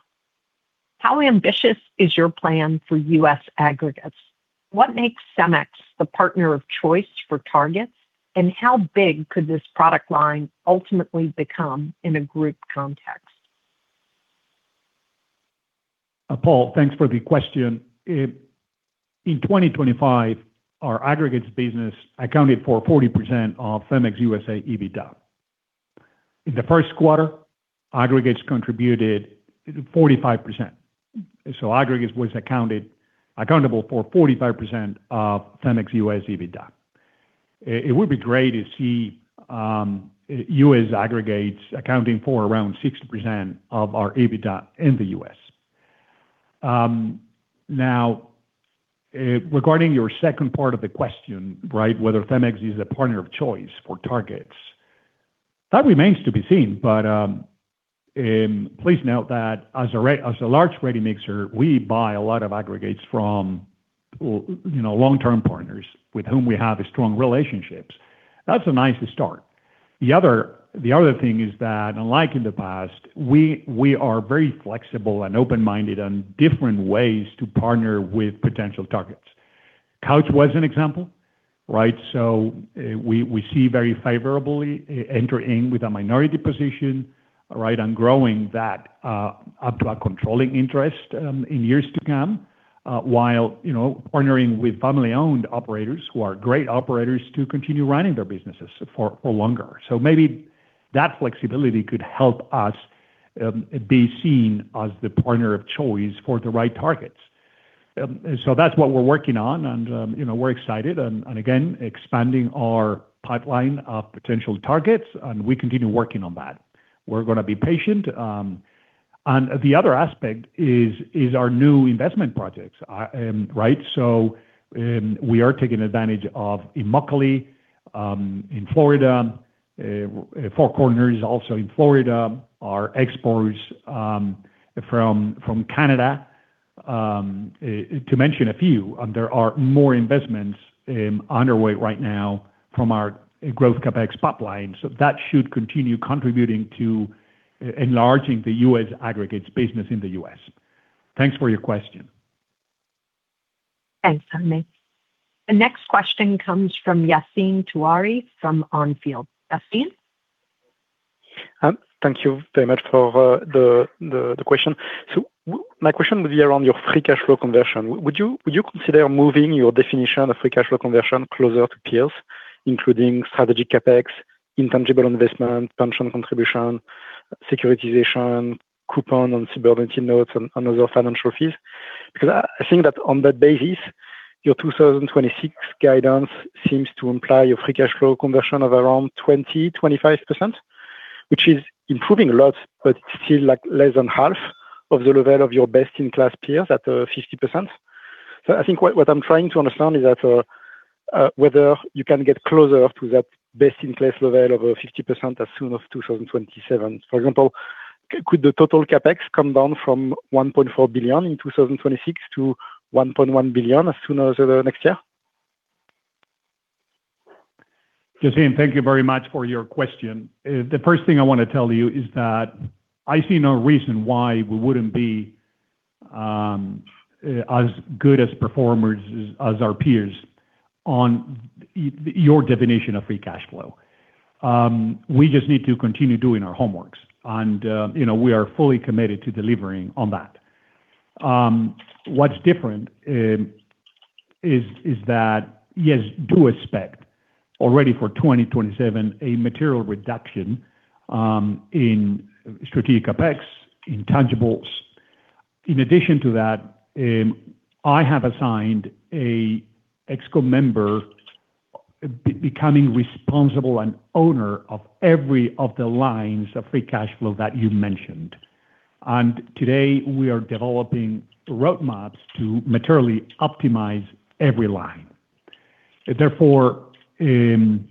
How ambitious is your plan for U.S. aggregates? What makes CEMEX the partner of choice for targets, and how big could this product line ultimately become in a group context? Paul, thanks for the question. In 2025, our aggregates business accounted for 40% of CEMEX USA EBITDA. In the first quarter, aggregates contributed 45%. Aggregates was accountable for 45% of CEMEX USA EBITDA. It would be great to see U.S. aggregates accounting for around 60% of our EBITDA in the U.S. Now, regarding your second part of the question, right, whether CEMEX is a partner of choice for targets. That remains to be seen, but please note that as a large ready-mix, we buy a lot of aggregates from long-term partners with whom we have strong relationships. That's a nice start. The other thing is that unlike in the past, we are very flexible and open-minded on different ways to partner with potential targets. Couch was an example, right? We see very favorably entering with a minority position, right, and growing that up to a controlling interest in years to come, while partnering with family-owned operators who are great operators to continue running their businesses for longer. Maybe that flexibility could help us be seen as the partner of choice for the right targets. That's what we're working on, and we're excited and again, expanding our pipeline of potential targets, and we continue working on that. We're gonna be patient. The other aspect is our new investment projects. Right? We are taking advantage of Immokalee in Florida, Four Corners is also in Florida, our exports from Canada, to mention a few. There are more investments underway right now from our growth CapEx pipeline. That should continue contributing to enlarging the U.S. aggregates business in the U.S. Thanks for your question. Thanks, Jaime. The next question comes from Yassine Touahri from On Field. Yassine. Thank you very much for the question. My question would be around your free cash flow conversion. Would you consider moving your definition of free cash flow conversion closer to peers, including strategic CapEx, intangible investment, pension contribution, securitization, coupon on subordinated notes and other financial fees? Because I think that on that basis, your 2026 guidance seems to imply a free cash flow conversion of around 20%-25%, which is improving a lot, but still less than half of the level of your best-in-class peers at 50%. I think what I'm trying to understand is whether you can get closer to that best-in-class level of 50% as soon as 2027. For example, could the total CapEx come down from $1.4 billion in 2026 to $1.1 billion as soon as next year? Yassine, thank you very much for your question. The first thing I want to tell you is that I see no reason why we wouldn't be as good as performers as our peers on your definition of free cash flow. We just need to continue doing our homeworks, and we are fully committed to delivering on that. What's different is that, yes, do expect already for 2027 a material reduction in strategic CapEx, intangibles. In addition to that, I have assigned an ExCo member becoming responsible and owner of every of the lines of free cash flow that you mentioned. Today we are developing roadmaps to materially optimize every line. Therefore, do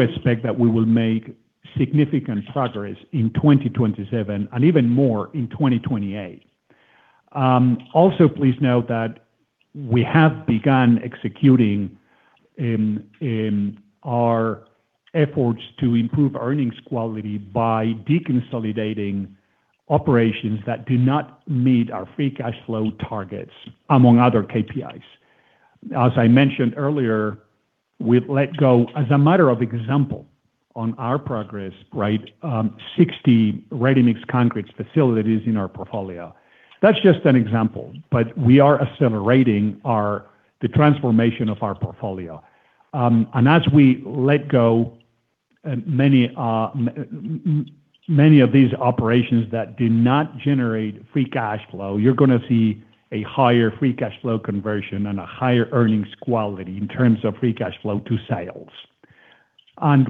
expect that we will make significant progress in 2027 and even more in 2028. Also, please note that we have begun executing our efforts to improve earnings quality by deconsolidating operations that do not meet our free cash flow targets, among other KPIs. As I mentioned earlier, we've let go of, as a matter of example, 60 ready-mix concrete facilities in our portfolio. That's just an example, but we are accelerating the transformation of our portfolio. As we let go of many of these operations that did not generate free cash flow, you're going to see a higher free cash flow conversion and a higher earnings quality in terms of free cash flow to sales.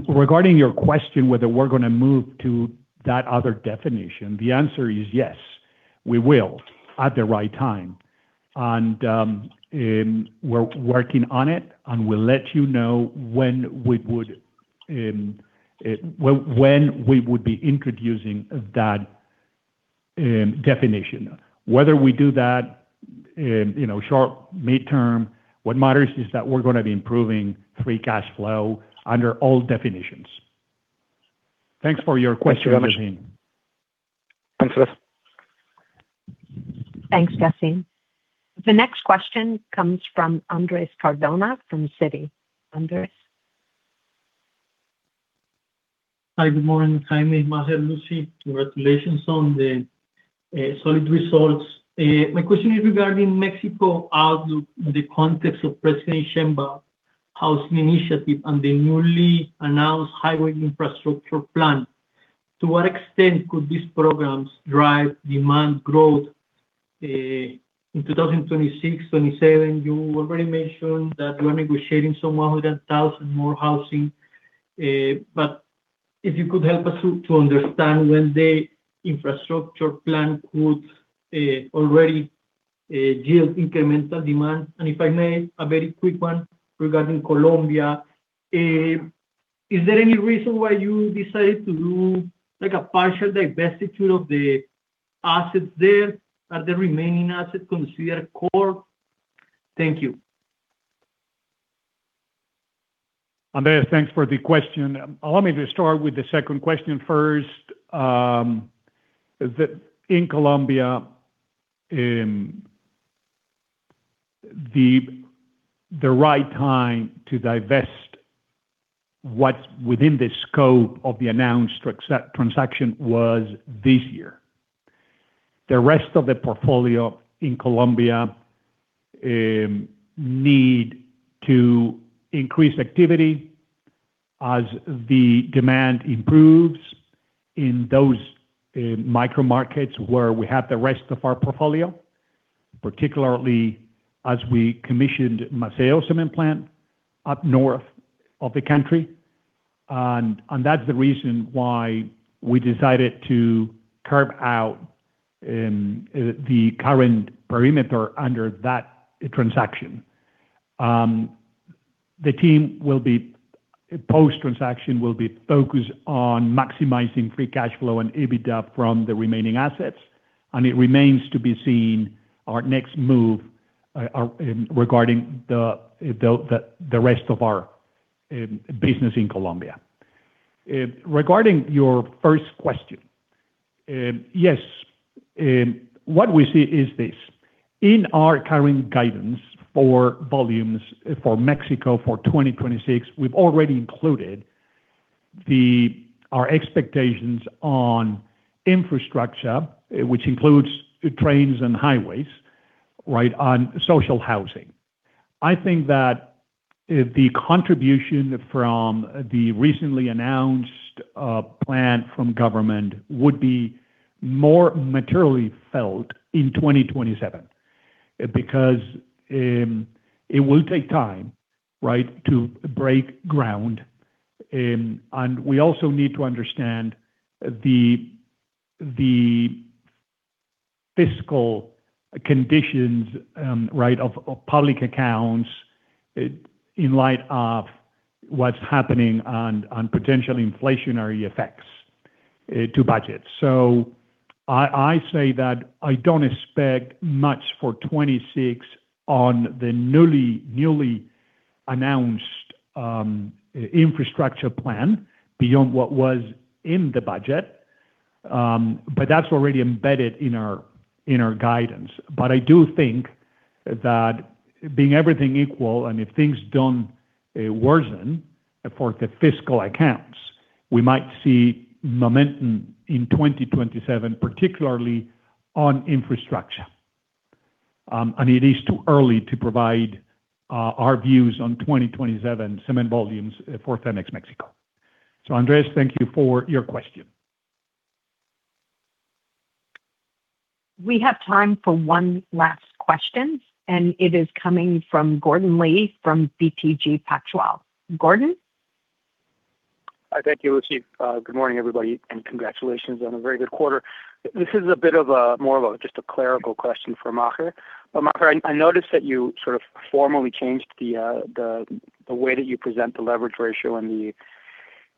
Regarding your question, whether we're going to move to that other definition, the answer is yes, we will at the right time. We're working on it, and we'll let you know when we would be introducing that definition. Whether we do that short-term, mid-term, what matters is that we're going to be improving free cash flow under all definitions. Thanks for your question, Yassine. Thanks for this. Thanks, Yassine. The next question comes from Andres Cardona from Citi. Andres. Hi, good morning, Jaime, Maher, Lucy. Congratulations on the solid results. My question is regarding Mexico outlook in the context of President Sheinbaum housing initiative and the newly announced highway infrastructure plan. To what extent could these programs drive demand growth in 2026, 2027? You already mentioned that you are negotiating some 100,000 more housing. If you could help us to understand when the infrastructure plan could already yield incremental demand. If I may, a very quick one regarding Colombia, is there any reason why you decided to do a partial divestiture of the assets there? Are the remaining assets considered core? Thank you. Andres, thanks for the question. Allow me to start with the second question first. In Colombia, the right time to divest what's within the scope of the announced transaction was this year. The rest of the portfolio in Colombia need to increase activity as the demand improves in those micro markets where we have the rest of our portfolio, particularly as we commissioned Maceo cement plant up north of the country. That's the reason why we decided to carve out the current perimeter under that transaction. The team, post-transaction, will be focused on maximizing free cash flow and EBITDA from the remaining assets, and it remains to be seen our next move regarding the rest of our business in Colombia. Regarding your first question, yes. What we see is this. In our current guidance for volumes for Mexico for 2026, we've already included our expectations on infrastructure, which includes trains and highways, on social housing. I think that the contribution from the recently announced plan from government would be more materially felt in 2027 because it will take time to break ground. We also need to understand the fiscal conditions of public accounts in light of what's happening on potential inflationary effects to budget. I say that I don't expect much for 2026 on the newly announced infrastructure plan beyond what was in the budget, but that's already embedded in our guidance. I do think that being everything equal, and if things don't worsen for the fiscal accounts, we might see momentum in 2027, particularly on infrastructure. It is too early to provide our views on 2027 cement volumes for CEMEX Mexico. Andres, thank you for your question. We have time for one last question, and it is coming from Gordon Lee from BTG Pactual. Gordon? Hi. Thank you, Lucy. Good morning, everybody, and congratulations on a very good quarter. This is a bit of more of just a clerical question for Maher. Maher, I noticed that you sort of formally changed the way that you present the leverage ratio and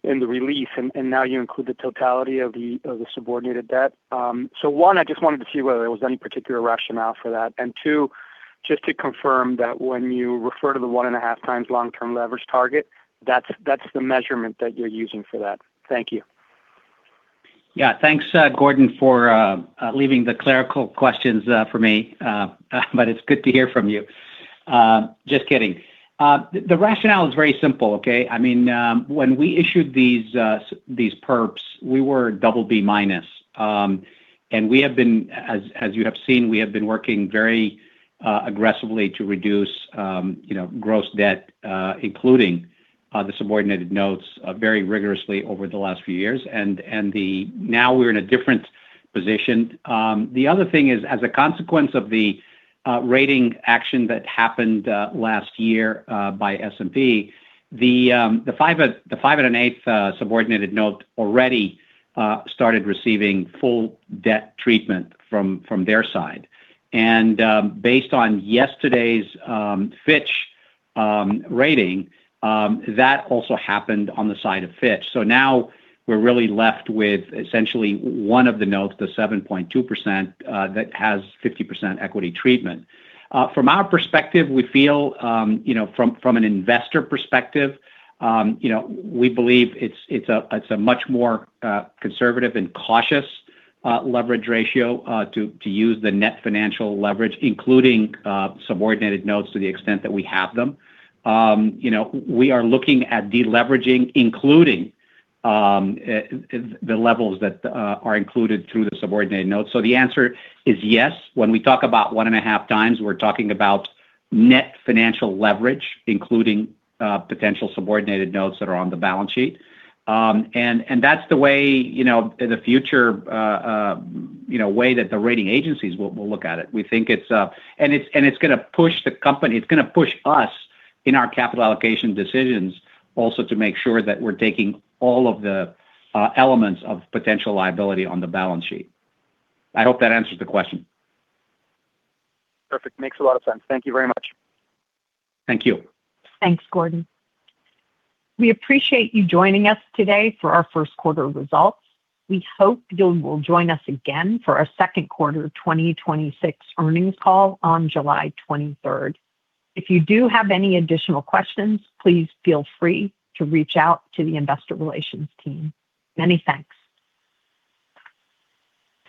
the relief, and now you include the totality of the subordinated debt. One, I just wanted to see whether there was any particular rationale for that. Two, just to confirm that when you refer to the one and a half times long-term leverage target, that's the measurement that you're using for that. Thank you. Yeah. Thanks, Gordon, for leaving the clerical questions for me. It's good to hear from you. Just kidding. The rationale is very simple, okay? When we issued these perps, we were BB-. As you have seen, we have been working very aggressively to reduce gross debt, including the subordinated notes, very rigorously over the last few years. Now we're in a different position. The other thing is, as a consequence of the rating action that happened last year by S&P, the 5.125 subordinated note already started receiving full debt treatment from their side. Based on yesterday's Fitch rating, that also happened on the side of Fitch. Now we're really left with essentially one of the notes, the 7.2%, that has 50% equity treatment. From our perspective, we feel, from an investor perspective, we believe it's a much more conservative and cautious leverage ratio to use the net financial leverage, including subordinated notes to the extent that we have them. We are looking at de-leveraging, including the levels that are included through the subordinated notes. The answer is yes. When we talk about 1.5 times, we're talking about net financial leverage, including potential subordinated notes that are on the balance sheet. That's the way, in the future, the rating agencies will look at it. It's going to push the company, it's going to push us in our capital allocation decisions also to make sure that we're taking all of the elements of potential liability on the balance sheet. I hope that answers the question. Perfect. Makes a lot of sense. Thank you very much. Thank you. Thanks, Gordon. We appreciate you joining us today for our first quarter results. We hope you will join us again for our second quarter 2026 earnings call on July 23rd. If you do have any additional questions, please feel free to reach out to the investor relations team. Many thanks.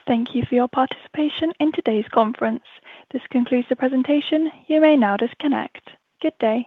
Thank you for your participation in today's conference. This concludes the presentation. You may now disconnect. Good day